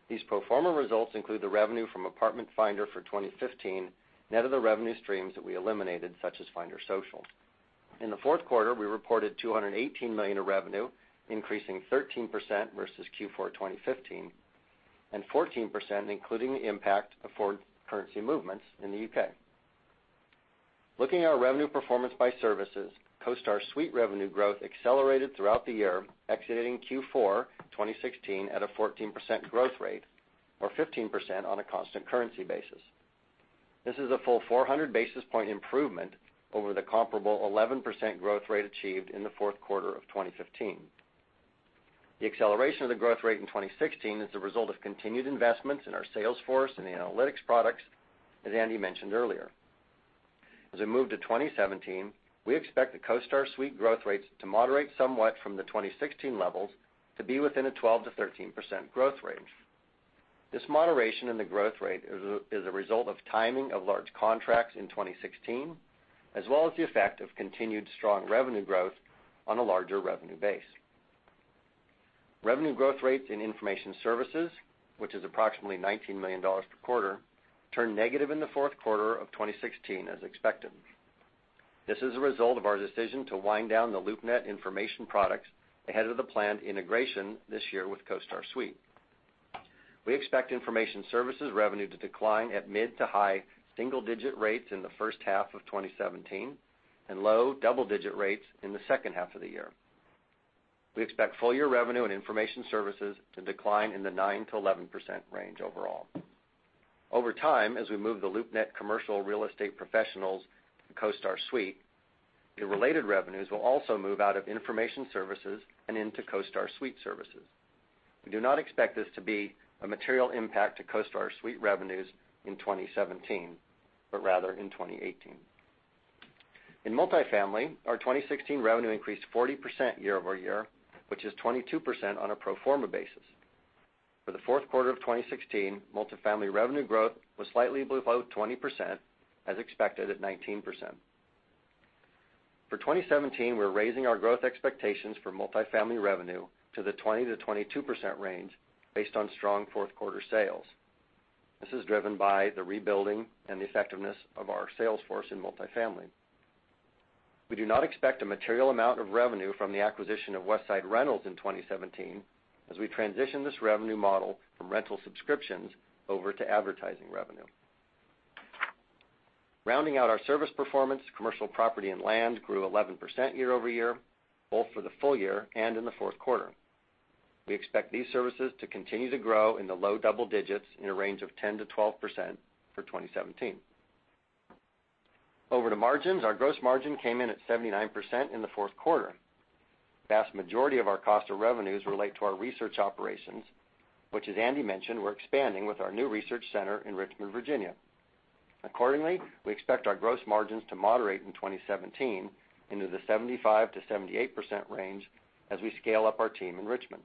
These pro forma results include the revenue from Apartment Finder for 2015, net of the revenue streams that we eliminated, such as Finder Social. In the fourth quarter, we reported $218 million of revenue, increasing 13% versus Q4 2015, and 14% including the impact of foreign currency movements in the U.K. Looking at our revenue performance by services, CoStar Suite revenue growth accelerated throughout the year, exiting Q4 2016 at a 14% growth rate or 15% on a constant currency basis. This is a full 400 basis points improvement over the comparable 11% growth rate achieved in the fourth quarter of 2015. The acceleration of the growth rate in 2016 is the result of continued investments in our sales force and the analytics products, as Andy mentioned earlier. As we move to 2017, we expect the CoStar Suite growth rates to moderate somewhat from the 2016 levels to be within a 12%-13% growth range. This moderation in the growth rate is a result of timing of large contracts in 2016, as well as the effect of continued strong revenue growth on a larger revenue base. Revenue growth rates in information services, which is approximately $19 million per quarter, turned negative in the fourth quarter of 2016 as expected. This is a result of our decision to wind down the LoopNet information products ahead of the planned integration this year with CoStar Suite. We expect information services revenue to decline at mid-to-high single-digit rates in the first half of 2017, and low-double-digit rates in the second half of the year. We expect full-year revenue and information services to decline in the 9%-11% range overall. Over time, as we move the LoopNet commercial real estate professionals to CoStar Suite, the related revenues will also move out of information services and into CoStar Suite services. We do not expect this to be a material impact to CoStar Suite revenues in 2017, but rather in 2018. In multifamily, our 2016 revenue increased 40% year-over-year, which is 22% on a pro forma basis. For the fourth quarter of 2016, multifamily revenue growth was slightly below 20%, as expected at 19%. For 2017, we're raising our growth expectations for multifamily revenue to the 20%-22% range based on strong fourth quarter sales. This is driven by the rebuilding and the effectiveness of our sales force in multifamily. We do not expect a material amount of revenue from the acquisition of Westside Rentals in 2017 as we transition this revenue model from rental subscriptions over to advertising revenue. Rounding out our service performance, commercial property and land grew 11% year-over-year, both for the full year and in the fourth quarter. We expect these services to continue to grow in the low double digits in a range of 10%-12% for 2017. Over to margins, our gross margin came in at 79% in the fourth quarter. Vast majority of our cost of revenues relate to our research operations, which, as Andy mentioned, we're expanding with our new research center in Richmond, Virginia. Accordingly, we expect our gross margins to moderate in 2017 into the 75%-78% range as we scale up our team in Richmond.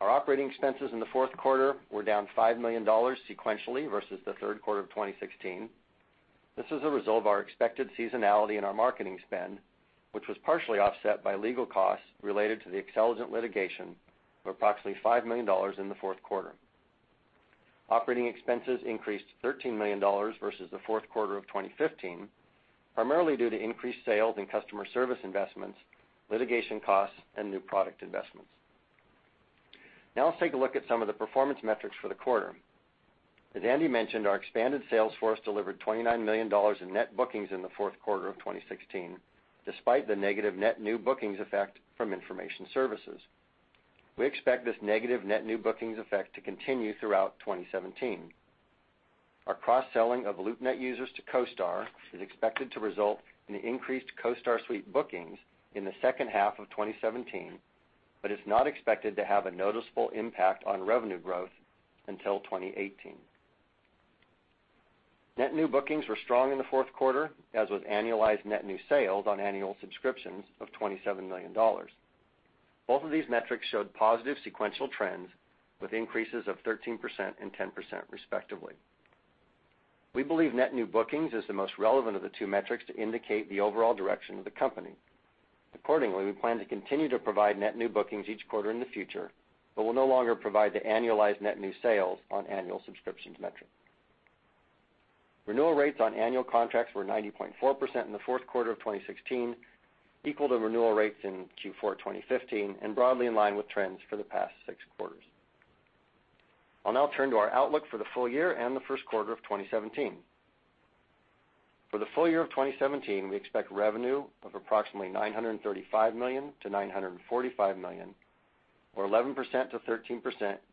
Our operating expenses in the fourth quarter were down $5 million sequentially versus the third quarter of 2016. This is a result of our expected seasonality in our marketing spend, which was partially offset by legal costs related to the Xceligent litigation of approximately $5 million in the fourth quarter. Operating expenses increased to $13 million versus the fourth quarter of 2015, primarily due to increased sales and customer service investments, litigation costs, and new product investments. Let's take a look at some of the performance metrics for the quarter. As Andy mentioned, our expanded sales force delivered $29 million in net bookings in the fourth quarter of 2016, despite the negative net new bookings effect from information services. We expect this negative net new bookings effect to continue throughout 2017. Our cross-selling of LoopNet users to CoStar is expected to result in increased CoStar Suite bookings in the second half of 2017, but is not expected to have a noticeable impact on revenue growth until 2018. Net new bookings were strong in the fourth quarter, as was annualized net new sales on annual subscriptions of $27 million. Both of these metrics showed positive sequential trends with increases of 13% and 10% respectively. We believe net new bookings is the most relevant of the two metrics to indicate the overall direction of the company. Accordingly, we plan to continue to provide net new bookings each quarter in the future, but will no longer provide the annualized net new sales on annual subscriptions metric. Renewal rates on annual contracts were 90.4% in the fourth quarter of 2016, equal to renewal rates in Q4 2015, and broadly in line with trends for the past six quarters. I'll now turn to our outlook for the full year and the first quarter of 2017. For the full year of 2017, we expect revenue of approximately $935 million-$945 million, or 11%-13%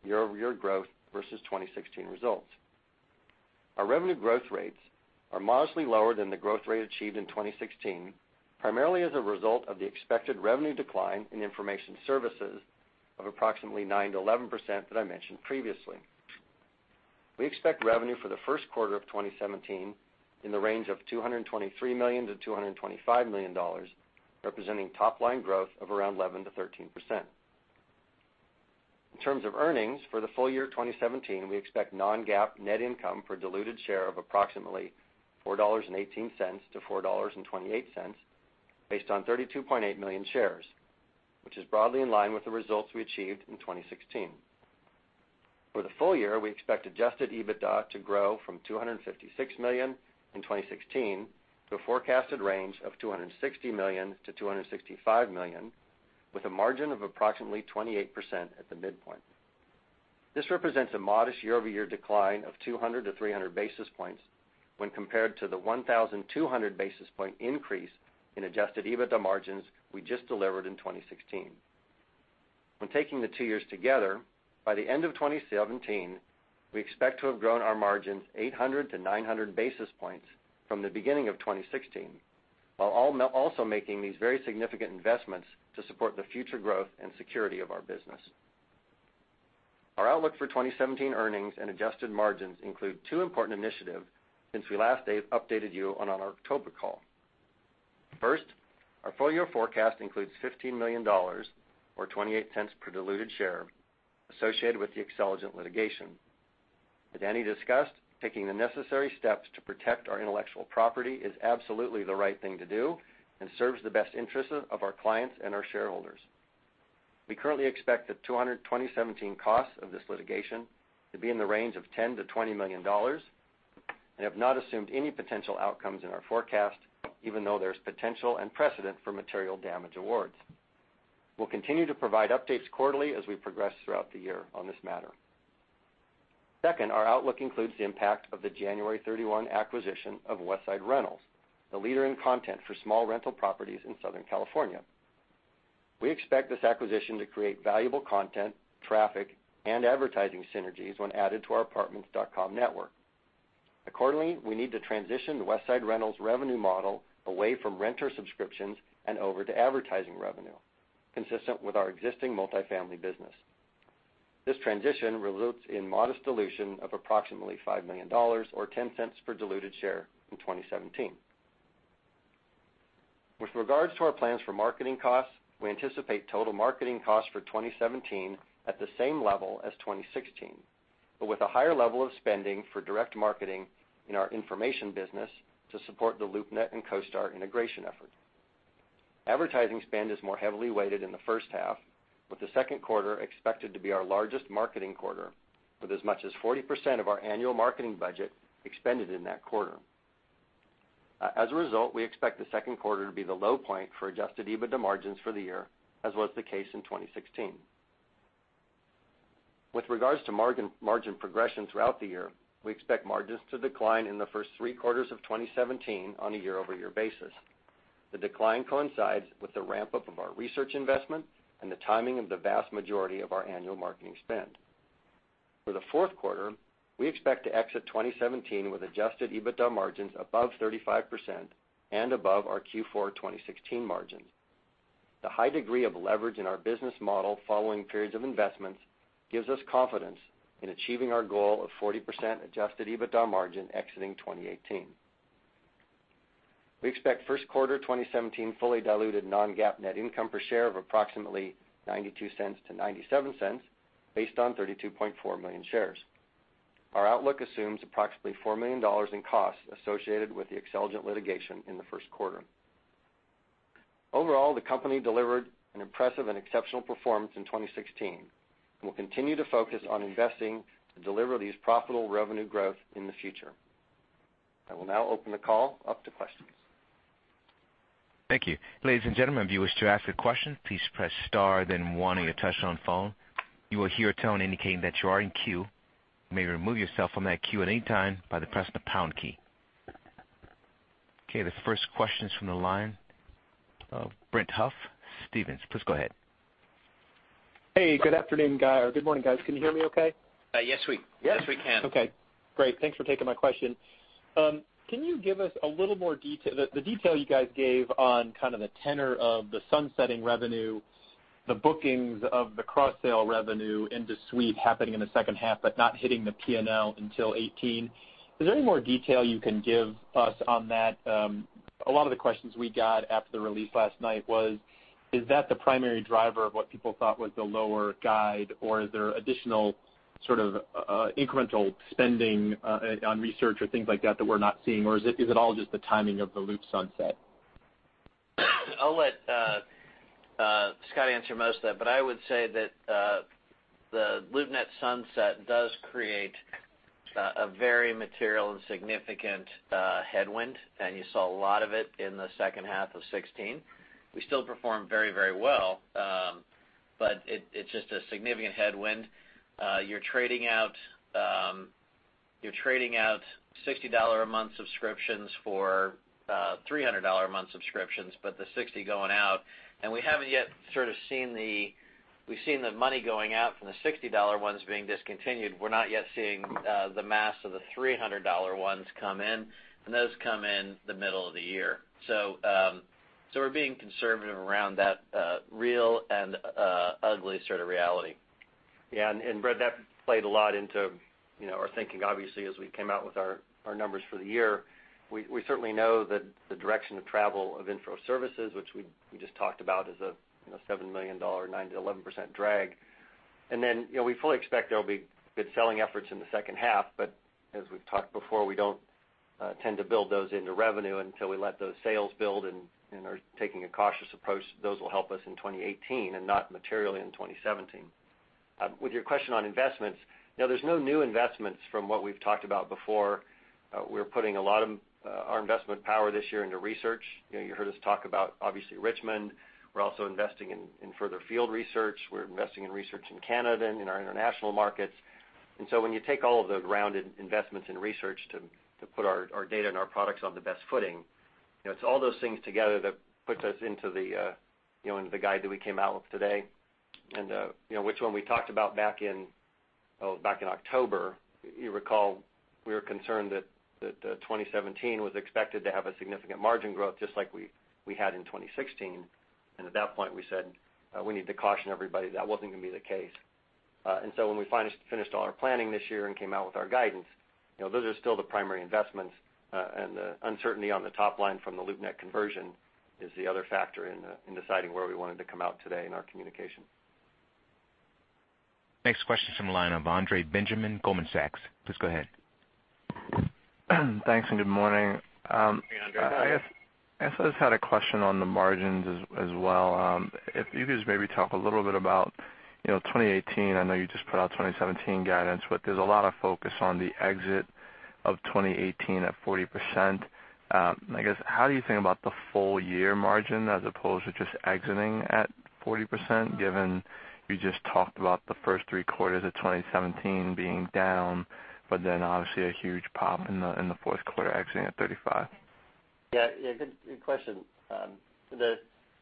year-over-year growth versus 2016 results. Our revenue growth rates are modestly lower than the growth rate achieved in 2016, primarily as a result of the expected revenue decline in information services of approximately 9%-11% that I mentioned previously. We expect revenue for the first quarter of 2017 in the range of $223 million-$225 million, representing top-line growth of around 11%-13%. In terms of earnings for the full year 2017, we expect non-GAAP net income per diluted share of approximately $4.18 to $4.28 based on 32.8 million shares, which is broadly in line with the results we achieved in 2016. For the full year, we expect adjusted EBITDA to grow from $256 million in 2016 to a forecasted range of $260 million-$265 million, with a margin of approximately 28% at the midpoint. This represents a modest year-over-year decline of 200 to 300 basis points when compared to the 1,200 basis point increase in adjusted EBITDA margins we just delivered in 2016. When taking the two years together, by the end of 2017, we expect to have grown our margins 800 to 900 basis points from the beginning of 2016, while also making these very significant investments to support the future growth and security of our business. Our outlook for 2017 earnings and adjusted margins include two important initiatives since we last updated you on our October call. Our full-year forecast includes $15 million, or $0.28 per diluted share, associated with the Xceligent litigation. As Andy discussed, taking the necessary steps to protect our intellectual property is absolutely the right thing to do and serves the best interest of our clients and our shareholders. We currently expect the 2017 cost of this litigation to be in the range of $10 million-$20 million, and have not assumed any potential outcomes in our forecast, even though there's potential and precedent for material damage awards. We'll continue to provide updates quarterly as we progress throughout the year on this matter. Our outlook includes the impact of the January 31 acquisition of Westside Rentals, the leader in content for small rental properties in Southern California. We expect this acquisition to create valuable content, traffic, and advertising synergies when added to our Apartments.com network. Accordingly, we need to transition the Westside Rentals revenue model away from renter subscriptions and over to advertising revenue, consistent with our existing multifamily business. This transition results in modest dilution of approximately $5 million or $0.10 per diluted share in 2017. With regards to our plans for marketing costs, we anticipate total marketing costs for 2017 at the same level as 2016, but with a higher level of spending for direct marketing in our information business to support the LoopNet and CoStar integration effort. Advertising spend is more heavily weighted in the first half, with the second quarter expected to be our largest marketing quarter with as much as 40% of our annual marketing budget expended in that quarter. We expect the second quarter to be the low point for adjusted EBITDA margins for the year, as was the case in 2016. With regards to margin progression throughout the year, we expect margins to decline in the first three quarters of 2017 on a year-over-year basis. The decline coincides with the ramp-up of our research investment and the timing of the vast majority of our annual marketing spend. The fourth quarter, we expect to exit 2017 with adjusted EBITDA margins above 35% and above our Q4 2016 margins. The high degree of leverage in our business model following periods of investments gives us confidence in achieving our goal of 40% adjusted EBITDA margin exiting 2018. We expect first quarter 2017 fully diluted non-GAAP net income per share of approximately $0.92-$0.97 based on 32.4 million shares. Our outlook assumes approximately $4 million in costs associated with the Xceligent litigation in the first quarter. Overall, the company delivered an impressive and exceptional performance in 2016 and will continue to focus on investing to deliver this profitable revenue growth in the future. I will now open the call up to questions. Thank you. Ladies and gentlemen, if you wish to ask a question, please press star then one on your touchtone phone. You will hear a tone indicating that you are in queue. You may remove yourself from that queue at any time by pressing the pound key. Okay. The first question is from the line of Brett Huff, Stephens. Please go ahead. Hey, good afternoon, guys. good morning, guys. Can you hear me okay? Yes, we can. Okay, great. Thanks for taking my question. The detail you guys gave on the tenor of the sunsetting revenue, the bookings of the cross-sale revenue into CoStar Suite happening in the second half but not hitting the P&L until 2018, is there any more detail you can give us on that? A lot of the questions we got after the release last night was, is that the primary driver of what people thought was the lower guide, or is there additional incremental spending on research or things like that that we're not seeing, or is it all just the timing of the LoopNet sunset? I'll let Scott answer most of that, but I would say that the LoopNet sunset does create a very material and significant headwind, you saw a lot of it in the second half of 2016. We still performed very well, but it's just a significant headwind. You're trading out $60 a month subscriptions for $300 a month subscriptions, but the 60 going out, we've seen the money going out from the $60 ones being discontinued. We're not yet seeing the mass of the $300 ones come in, those come in the middle of the year. We're being conservative around that real and ugly sort of reality. Yeah. Brett, that played a lot into our thinking, obviously, as we came out with our numbers for the year. We certainly know that the direction of travel of info services, which we just talked about, is a $7 million, 9%-11% drag. Then, we fully expect there'll be good selling efforts in the second half, but as we've talked before, we don't tend to build those into revenue until we let those sales build and are taking a cautious approach. Those will help us in 2018 and not materially in 2017. With your question on investments, there's no new investments from what we've talked about before. We're putting a lot of our investment power this year into research. You heard us talk about, obviously, Richmond. We're also investing in further field research. We're investing in research in Canada and in our international markets. When you take all of the rounded investments in research to put our data and our products on the best footing, it's all those things together that puts us into the guide that we came out with today, which one we talked about back in October. You recall, we were concerned that 2017 was expected to have a significant margin growth, just like we had in 2016. At that point, we said we need to caution everybody that wasn't going to be the case. When we finished all our planning this year and came out with our guidance, those are still the primary investments. The uncertainty on the top line from the LoopNet conversion is the other factor in deciding where we wanted to come out today in our communication. Next question is from the line of Andre Benjamin, Goldman Sachs. Please go ahead. Thanks, good morning. Hey, Andre. I just had a question on the margins as well. If you could just maybe talk a little bit about 2018. I know you just put out 2017 guidance, there's a lot of focus on the exit of 2018 at 40%. I guess, how do you think about the full-year margin as opposed to just exiting at 40%, given you just talked about the first three quarters of 2017 being down, obviously a huge pop in the fourth quarter, exiting at 35%? Yeah. Good question.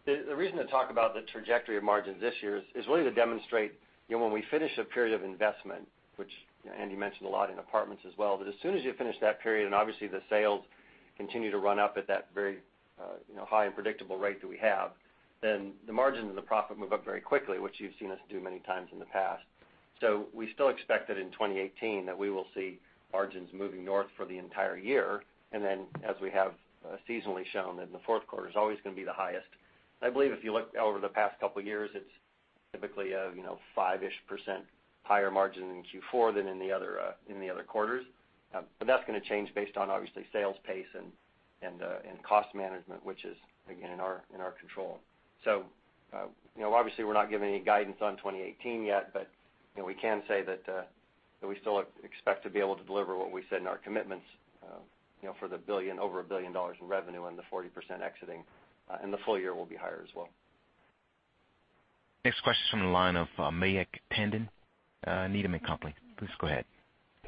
The reason to talk about the trajectory of margins this year is really to demonstrate when we finish a period of investment, which Andy mentioned a lot in apartments as well, that as soon as you finish that period, obviously the sales continue to run up at that very high and predictable rate that we have, the margins and the profit move up very quickly, which you've seen us do many times in the past. We still expect that in 2018 that we will see margins moving north for the entire year, as we have seasonally shown, that the fourth quarter is always going to be the highest. I believe if you look over the past couple of years, it's typically a five-ish % higher margin in Q4 than in the other quarters. That's going to change based on, obviously, sales pace and cost management, which is, again, in our control. Obviously, we're not giving any guidance on 2018 yet, but we can say that we still expect to be able to deliver what we said in our commitments for the over $1 billion in revenue and the 40% exiting. The full year will be higher as well. Next question is from the line of Mayank Tandon, Needham & Company. Please go ahead.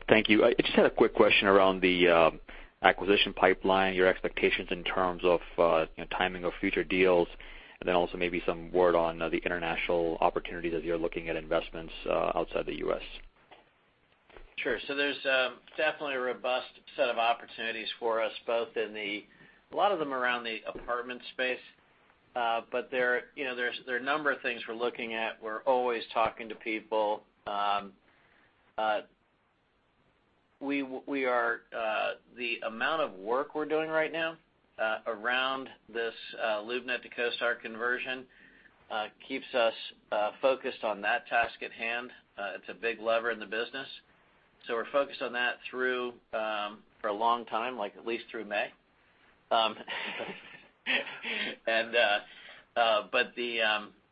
Thank you. I just had a quick question around the acquisition pipeline, your expectations in terms of timing of future deals, also maybe some word on the international opportunities as you're looking at investments outside the U.S. Sure. There's definitely a robust set of opportunities for us, a lot of them around the apartment space. There are a number of things we're looking at. We're always talking to people. The amount of work we're doing right now around this LoopNet to CoStar conversion keeps us focused on that task at hand. It's a big lever in the business. We're focused on that for a long time, like at least through May.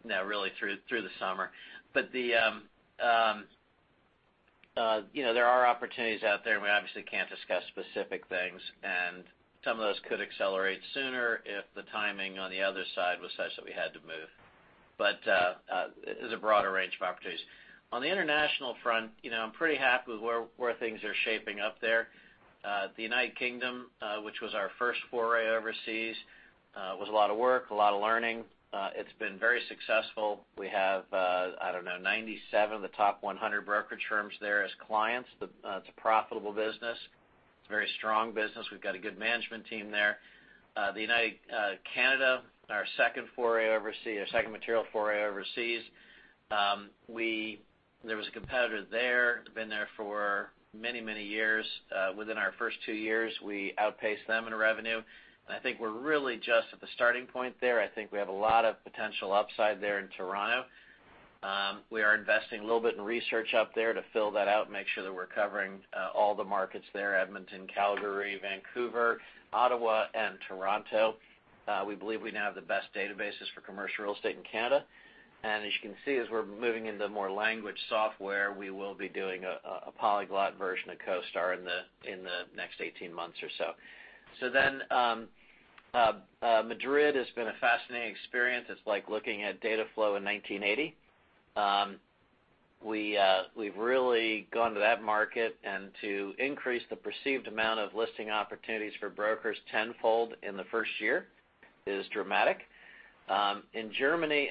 No, really through the summer. There are opportunities out there, and we obviously can't discuss specific things, and some of those could accelerate sooner if the timing on the other side was such that we had to move. There's a broader range of opportunities. On the international front, I'm pretty happy with where things are shaping up there. The United Kingdom, which was our first foray overseas, was a lot of work, a lot of learning. It's been very successful. We have, I don't know, 97 of the top 100 brokerage firms there as clients. It's a profitable business. It's a very strong business. We've got a good management team there. Canada, our second material foray overseas. There was a competitor there, been there for many, many years. Within our first two years, we outpaced them in revenue. I think we're really just at the starting point there. I think we have a lot of potential upside there in Toronto. We are investing a little bit in research up there to fill that out and make sure that we're covering all the markets there, Edmonton, Calgary, Vancouver, Ottawa, and Toronto. We believe we now have the best databases for commercial real estate in Canada. As you can see, as we're moving into more language software, we will be doing a polyglot version of CoStar in the next 18 months or so. Madrid has been a fascinating experience. It's like looking at data flow in 1980. We've really gone to that market, and to increase the perceived amount of listing opportunities for brokers tenfold in the first year is dramatic. In Germany,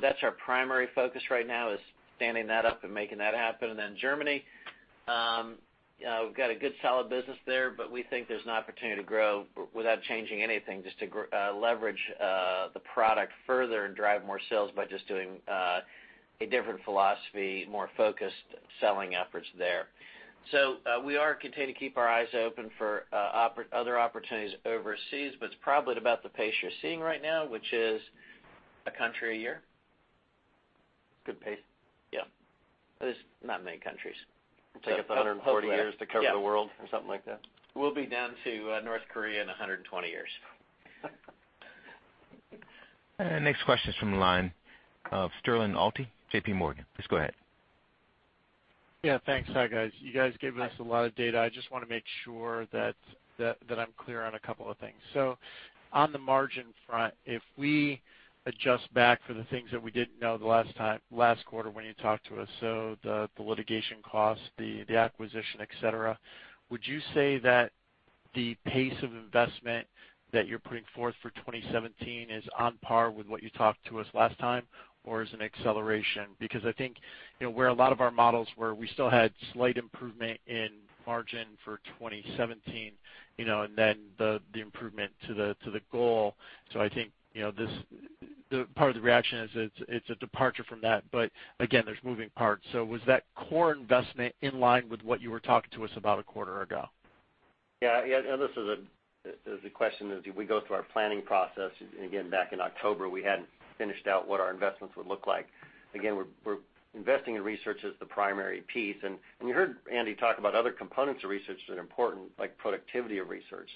that's our primary focus right now, is standing that up and making that happen. Germany, we've got a good, solid business there, but we think there's an opportunity to grow without changing anything, just to leverage the product further and drive more sales by just doing a different philosophy, more focused selling efforts there. We are continuing to keep our eyes open for other opportunities overseas, but it's probably at about the pace you're seeing right now, which is one country a year. Good pace. There's not many countries. It'll take us 140 years to cover the world or something like that. We'll be down to North Korea in 120 years. Next question is from the line of Sterling Auty, JPMorgan. Please go ahead. Yeah, thanks. Hi, guys. You guys gave us a lot of data. I just want to make sure that I'm clear on a couple of things. On the margin front, if we adjust back for the things that we didn't know the last quarter when you talked to us, the litigation costs, the acquisition, et cetera, would you say that the pace of investment that you're putting forth for 2017 is on par with what you talked to us last time, or is it an acceleration? Because I think where a lot of our models were, we still had slight improvement in margin for 2017, and then the improvement to the goal. I think part of the reaction is it's a departure from that, but again, there's moving parts. Was that core investment in line with what you were talking to us about a quarter ago? Yeah. This is a question as we go through our planning process, again, back in October, we hadn't finished out what our investments would look like. Again, we're investing in research as the primary piece, and we heard Andy talk about other components of research that are important, like productivity of research.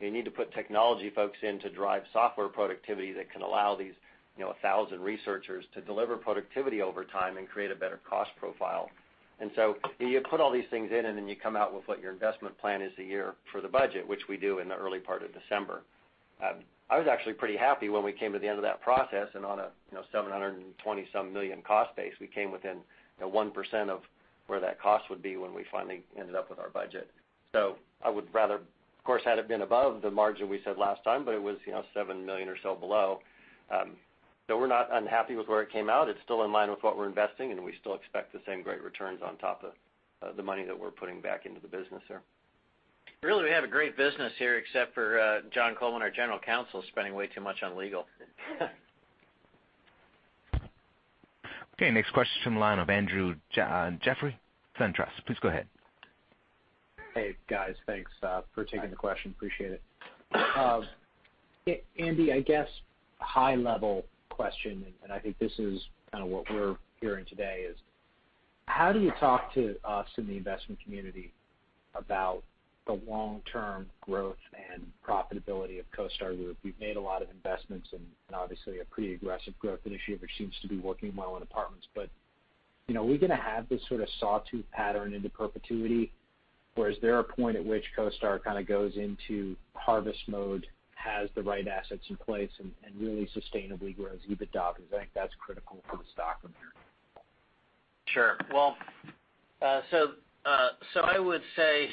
You need to put technology folks in to drive software productivity that can allow these 1,000 researchers to deliver productivity over time and create a better cost profile. You put all these things in, and then you come out with what your investment plan is a year for the budget, which we do in the early part of December. I was actually pretty happy when we came to the end of that process, on a $720-some million cost base, we came within 1% of where that cost would be when we finally ended up with our budget. I would rather, of course, had it been above the margin we said last time, but it was $7 million or so below. We're not unhappy with where it came out. It's still in line with what we're investing, and we still expect the same great returns on top of the money that we're putting back into the business there. Really, we have a great business here except for Jon Coleman, our General Counsel, spending way too much on legal. Okay, next question from the line of Andrew Jeffrey, SunTrust. Please go ahead. Hey, guys. Thanks for taking the question. Appreciate it. Andy, I guess high-level question, and I think this is kind of what we're hearing today is how do you talk to us in the investment community about the long-term growth and profitability of CoStar Group? We've made a lot of investments and obviously a pretty aggressive growth initiative, which seems to be working well in Apartments. Are we going to have this sort of sawtooth pattern into perpetuity? Is there a point at which CoStar kind of goes into harvest mode, has the right assets in place, and really sustainably grows EBITDA, because I think that's critical for the stock from here. Well, I would say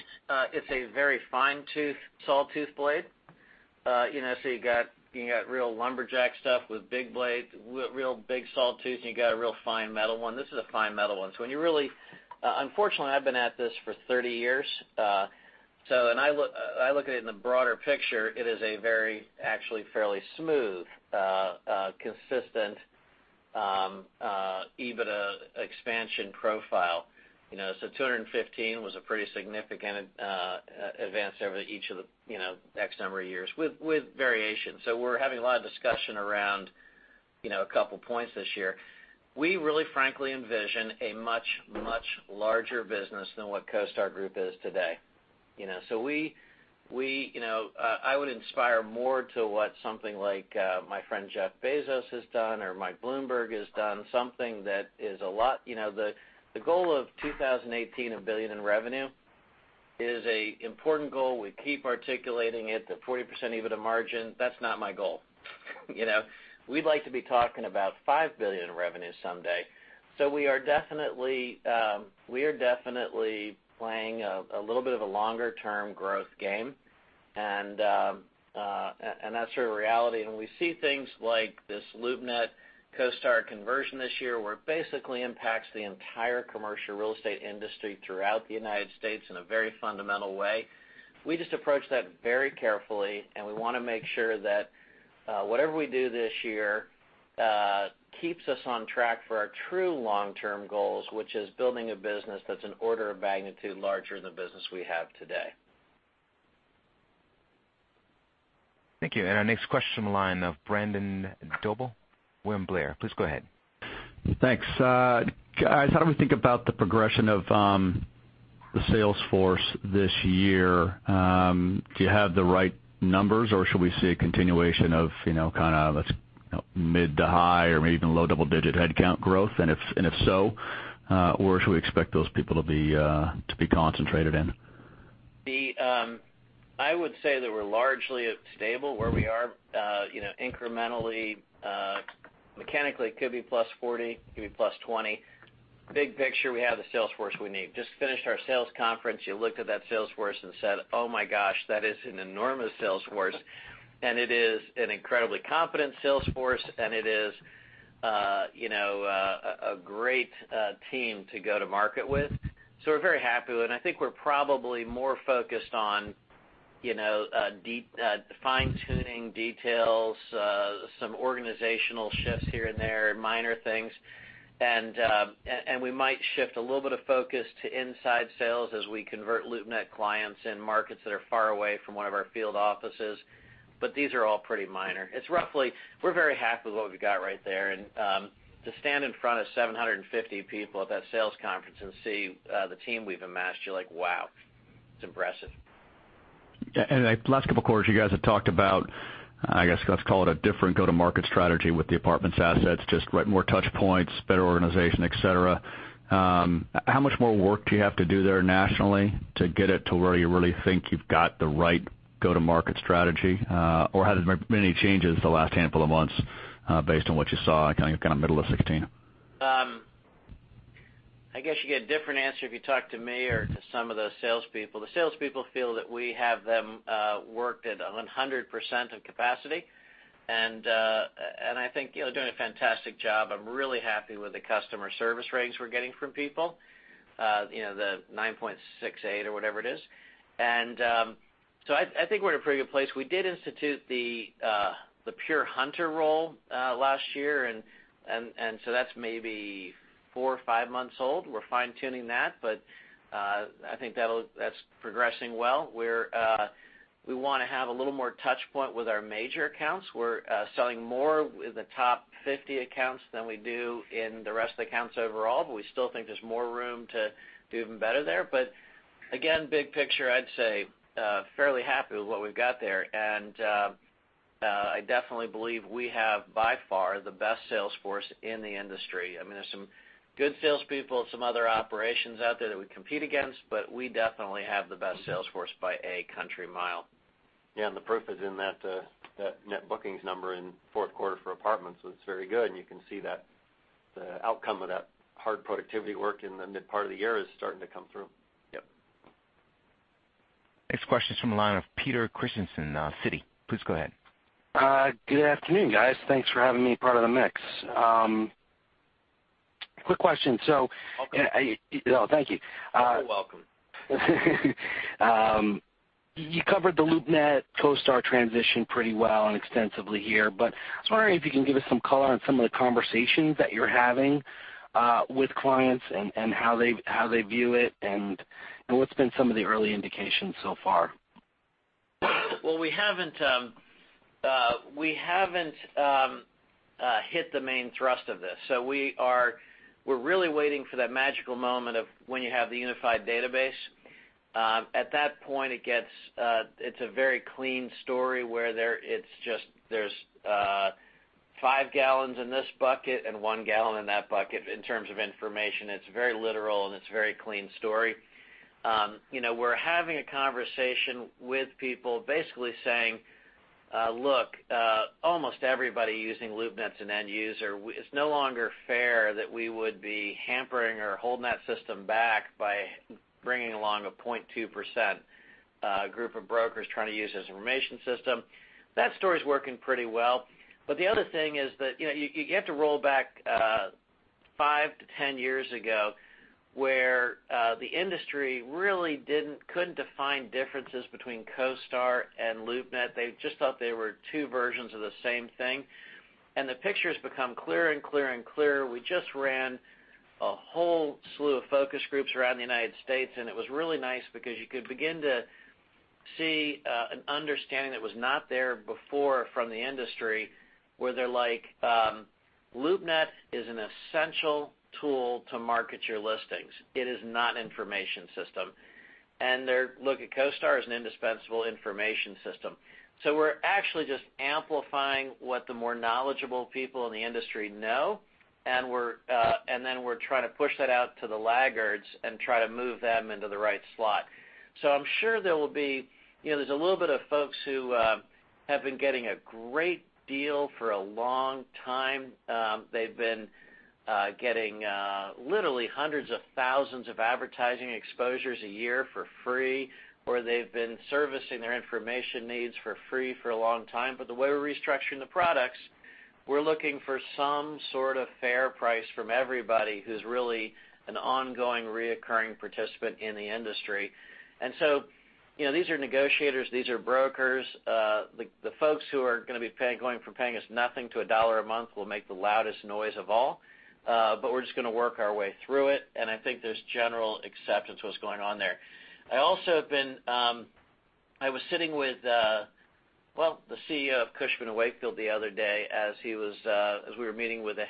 it's a very fine-tooth sawtooth blade. You got real lumberjack stuff with big blades, real big sawtooth, and you got a real fine metal one. This is a fine metal one. Unfortunately, I've been at this for 30 years, and I look at it in the broader picture. It is a very, actually fairly smooth, consistent EBITDA expansion profile. 215 was a pretty significant advance over each of the X number of years with variations. We're having a lot of discussion around a couple of points this year. We really frankly envision a much, much larger business than what CoStar Group is today. I would inspire more to what something like my friend Jeff Bezos has done or Mike Bloomberg has done. The goal of 2018, $1 billion in revenue, is a important goal. We keep articulating it, the 40% EBITDA margin. That's not my goal. We'd like to be talking about $5 billion in revenue someday. We are definitely playing a little bit of a longer-term growth game, and that's sort of reality. We see things like this LoopNet, CoStar conversion this year, where it basically impacts the entire commercial real estate industry throughout the U.S. in a very fundamental way. We just approach that very carefully, and we want to make sure that whatever we do this year keeps us on track for our true long-term goals, which is building a business that's an order of magnitude larger than the business we have today. Thank you. Our next question, the line of Brandon Dobell, William Blair. Please go ahead. Thanks. Guys, how do we think about the progression of the sales force this year? Do you have the right numbers, or should we see a continuation of kind of mid to high or maybe even low double-digit headcount growth? If so, where should we expect those people to be concentrated in? I would say that we're largely stable where we are incrementally. Mechanically, it could be +40, could be +20. Big picture, we have the sales force we need. Just finished our sales conference. You look at that sales force and said, "Oh, my gosh, that is an enormous sales force." It is an incredibly competent sales force, and it is a great team to go to market with. We're very happy with it, and I think we're probably more focused on fine-tuning details, some organizational shifts here and there, minor things. We might shift a little bit of focus to inside sales as we convert LoopNet clients in markets that are far away from one of our field offices. These are all pretty minor. We're very happy with what we've got right there, and to stand in front of 750 people at that sales conference and see the team we've amassed, you're like, "Wow, it's impressive. The last couple of quarters you guys have talked about, I guess let's call it a different go-to-market strategy with the Apartments assets, just more touch points, better organization, et cetera. How much more work do you have to do there nationally to get it to where you really think you've got the right go-to-market strategy? Have there been any changes the last handful of months based on what you saw kind of middle of 2016? I guess you get a different answer if you talk to me or to some of those salespeople. The salespeople feel that we have them worked at 100% of capacity, and I think they're doing a fantastic job. I'm really happy with the customer service ratings we're getting from people, the 9.68 or whatever it is. I think we're in a pretty good place. We did institute the pure hunter role last year, and so that's maybe four or five months old. We're fine-tuning that, but I think that's progressing well. We want to have a little more touch point with our major accounts. We're selling more in the top 50 accounts than we do in the rest of the accounts overall, but we still think there's more room to do even better there. Again, big picture, I'd say fairly happy with what we've got there. I definitely believe we have, by far, the best sales force in the industry. There's some good salespeople at some other operations out there that we compete against, but we definitely have the best sales force by a country mile. The proof is in that net bookings number in fourth quarter for apartments was very good, and you can see the outcome of that hard productivity work in the mid part of the year is starting to come through. Yep. Next question's from the line of Peter Christiansen, Citi. Please go ahead. Good afternoon, guys. Thanks for having me part of the mix. Quick question. Welcome. Thank you. You're welcome. You covered the LoopNet, CoStar transition pretty well and extensively here. I was wondering if you can give us some color on some of the conversations that you're having with clients and how they view it, and what's been some of the early indications so far? Well, we haven't hit the main thrust of this. We're really waiting for that magical moment of when you have the unified database. At that point, it's a very clean story where there's five gallons in this bucket and one gallon in that bucket in terms of information. It's very literal. It's a very clean story. We're having a conversation with people basically saying, "Look, almost everybody using LoopNet's an end user. It's no longer fair that we would be hampering or holding that system back by bringing along a 0.2% group of brokers trying to use this information system." That story's working pretty well. The other thing is that you have to roll back five to 10 years ago, where the industry really couldn't define differences between CoStar and LoopNet. They just thought they were two versions of the same thing. The picture's become clearer and clearer and clearer. We just ran a whole slew of focus groups around the U.S., and it was really nice because you could begin to see an understanding that was not there before from the industry, where they're like, "LoopNet is an essential tool to market your listings. It is not an information system." They look at CoStar as an indispensable information system. We're actually just amplifying what the more knowledgeable people in the industry know, then we're trying to push that out to the laggards and try to move them into the right slot. I'm sure there's a little bit of folks who have been getting a great deal for a long time. They've been getting literally hundreds of thousands of advertising exposures a year for free, or they've been servicing their information needs for free for a long time. The way we're restructuring the products, we're looking for some sort of fair price from everybody who's really an ongoing reoccurring participant in the industry. These are negotiators, these are brokers. The folks who are going to be going from paying us nothing to $1 a month will make the loudest noise of all. We're just going to work our way through it, and I think there's general acceptance what's going on there. I was sitting with the CEO of Cushman & Wakefield the other day as we were meeting with the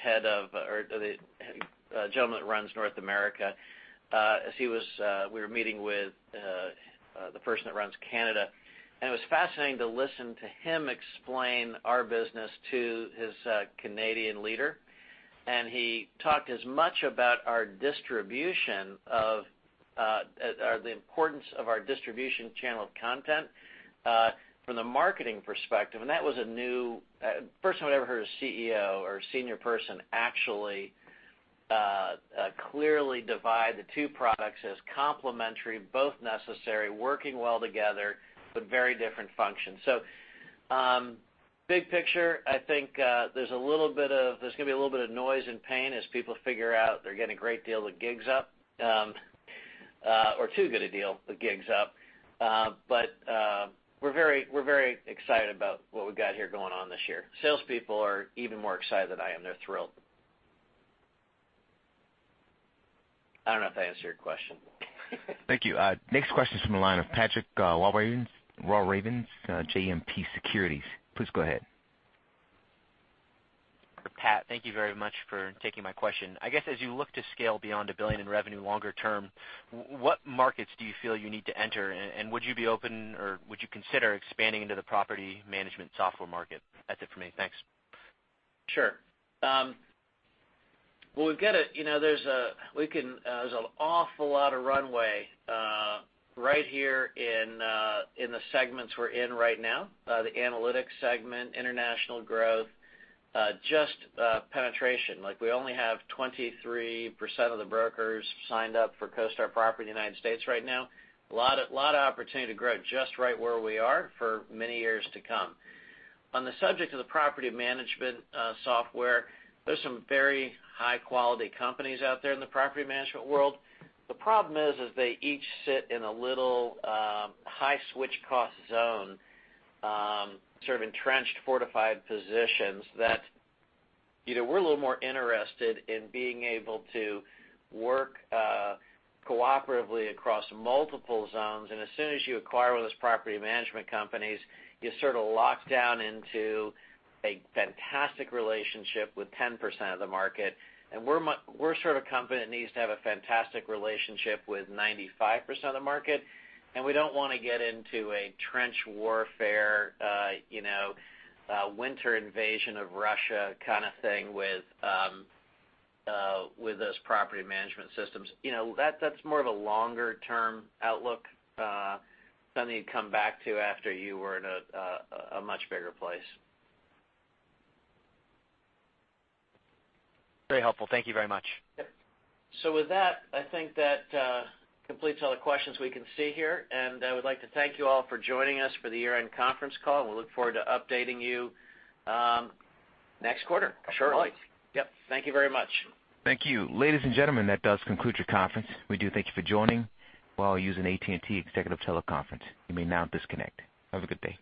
gentleman that runs North America, as we were meeting with the person that runs Canada. It was fascinating to listen to him explain our business to his Canadian leader. He talked as much about the importance of our distribution channel of content from the marketing perspective, and that was a new. First time I'd ever heard a CEO or senior person actually clearly divide the two products as complementary, both necessary, working well together, but very different functions. Big picture, I think there's going to be a little bit of noise and pain as people figure out they're getting a great deal with the gig's up, or too good a deal with gig's up. We're very excited about what we've got here going on this year. Salespeople are even more excited than I am. They're thrilled. I don't know if that answered your question. Thank you. Next question's from the line of Patrick Walravens, JMP Securities. Please go ahead. Pat, thank you very much for taking my question. I guess as you look to scale beyond $1 billion in revenue longer term, what markets do you feel you need to enter? Would you be open, or would you consider expanding into the property management software market? That's it for me, thanks. Sure. Well, there's an awful lot of runway right here in the segments we're in right now. The analytics segment, international growth, just penetration. We only have 23% of the brokers signed up for CoStar Property in the U.S. right now. A lot of opportunity to grow just right where we are for many years to come. On the subject of the property management software, there's some very high-quality companies out there in the property management world. The problem is they each sit in a little high-switch-cost zone, sort of entrenched, fortified positions that we're a little more interested in being able to work cooperatively across multiple zones. As soon as you acquire one of those property management companies, you sort of lock down into a fantastic relationship with 10% of the market. We're a company that needs to have a fantastic relationship with 95% of the market, we don't want to get into a trench warfare winter invasion of Russia kind of thing with those property management systems. That's more of a longer-term outlook, something you'd come back to after you were in a much bigger place. Very helpful. Thank you very much. Yep. With that, I think that completes all the questions we can see here, and I would like to thank you all for joining us for the year-end conference call. We look forward to updating you next quarter. Sure. Yep. Thank you very much. Thank you. Ladies and gentlemen, that does conclude your conference. We do thank you for joining. We are all using AT&T TeleConference Services. You may now disconnect. Have a good day.